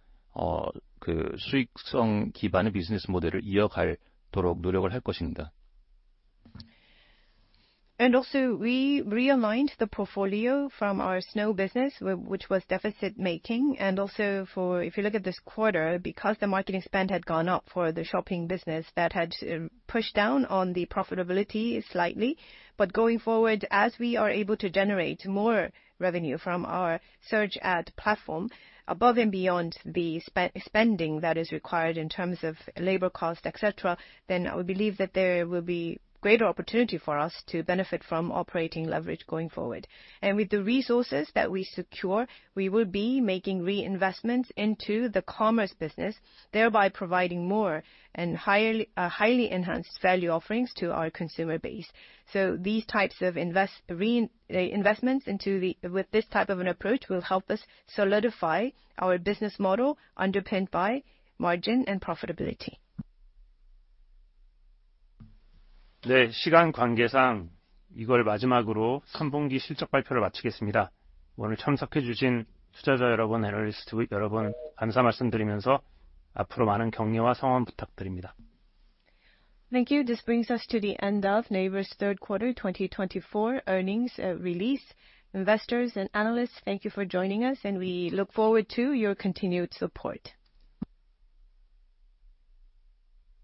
그 수익성 기반의 비즈니스 모델을 이어갈도록 노력을 할 것입니다. Also, we realigned the portfolio from our Snow business, which was deficit-making. Also, if you look at this quarter, because the marketing spend had gone up for the shopping business, that had pushed down on the profitability slightly. But going forward, as we are able to generate more revenue from our search ad platform above and beyond the spending that is required in terms of labor cost, etc., then I believe that there will be greater opportunity for us to benefit from operating leverage going forward. And with the resources that we secure, we will be making reinvestments into the commerce business, thereby providing more and highly enhanced value offerings to our consumer base. So these types of investments into the with this type of an approach will help us solidify our business model underpinned by margin and profitability. 네, 시간 관계상 이걸 마지막으로 3분기 실적 발표를 마치겠습니다. 오늘 참석해 주신 투자자 여러분, 애널리스트 여러분, 감사 말씀드리면서 앞으로 많은 격려와 성원 부탁드립니다. Thank you. This brings us to the end of NAVER's third quarter 2024 earnings release. Investors and analysts, thank you for joining us, and we look forward to your continued support.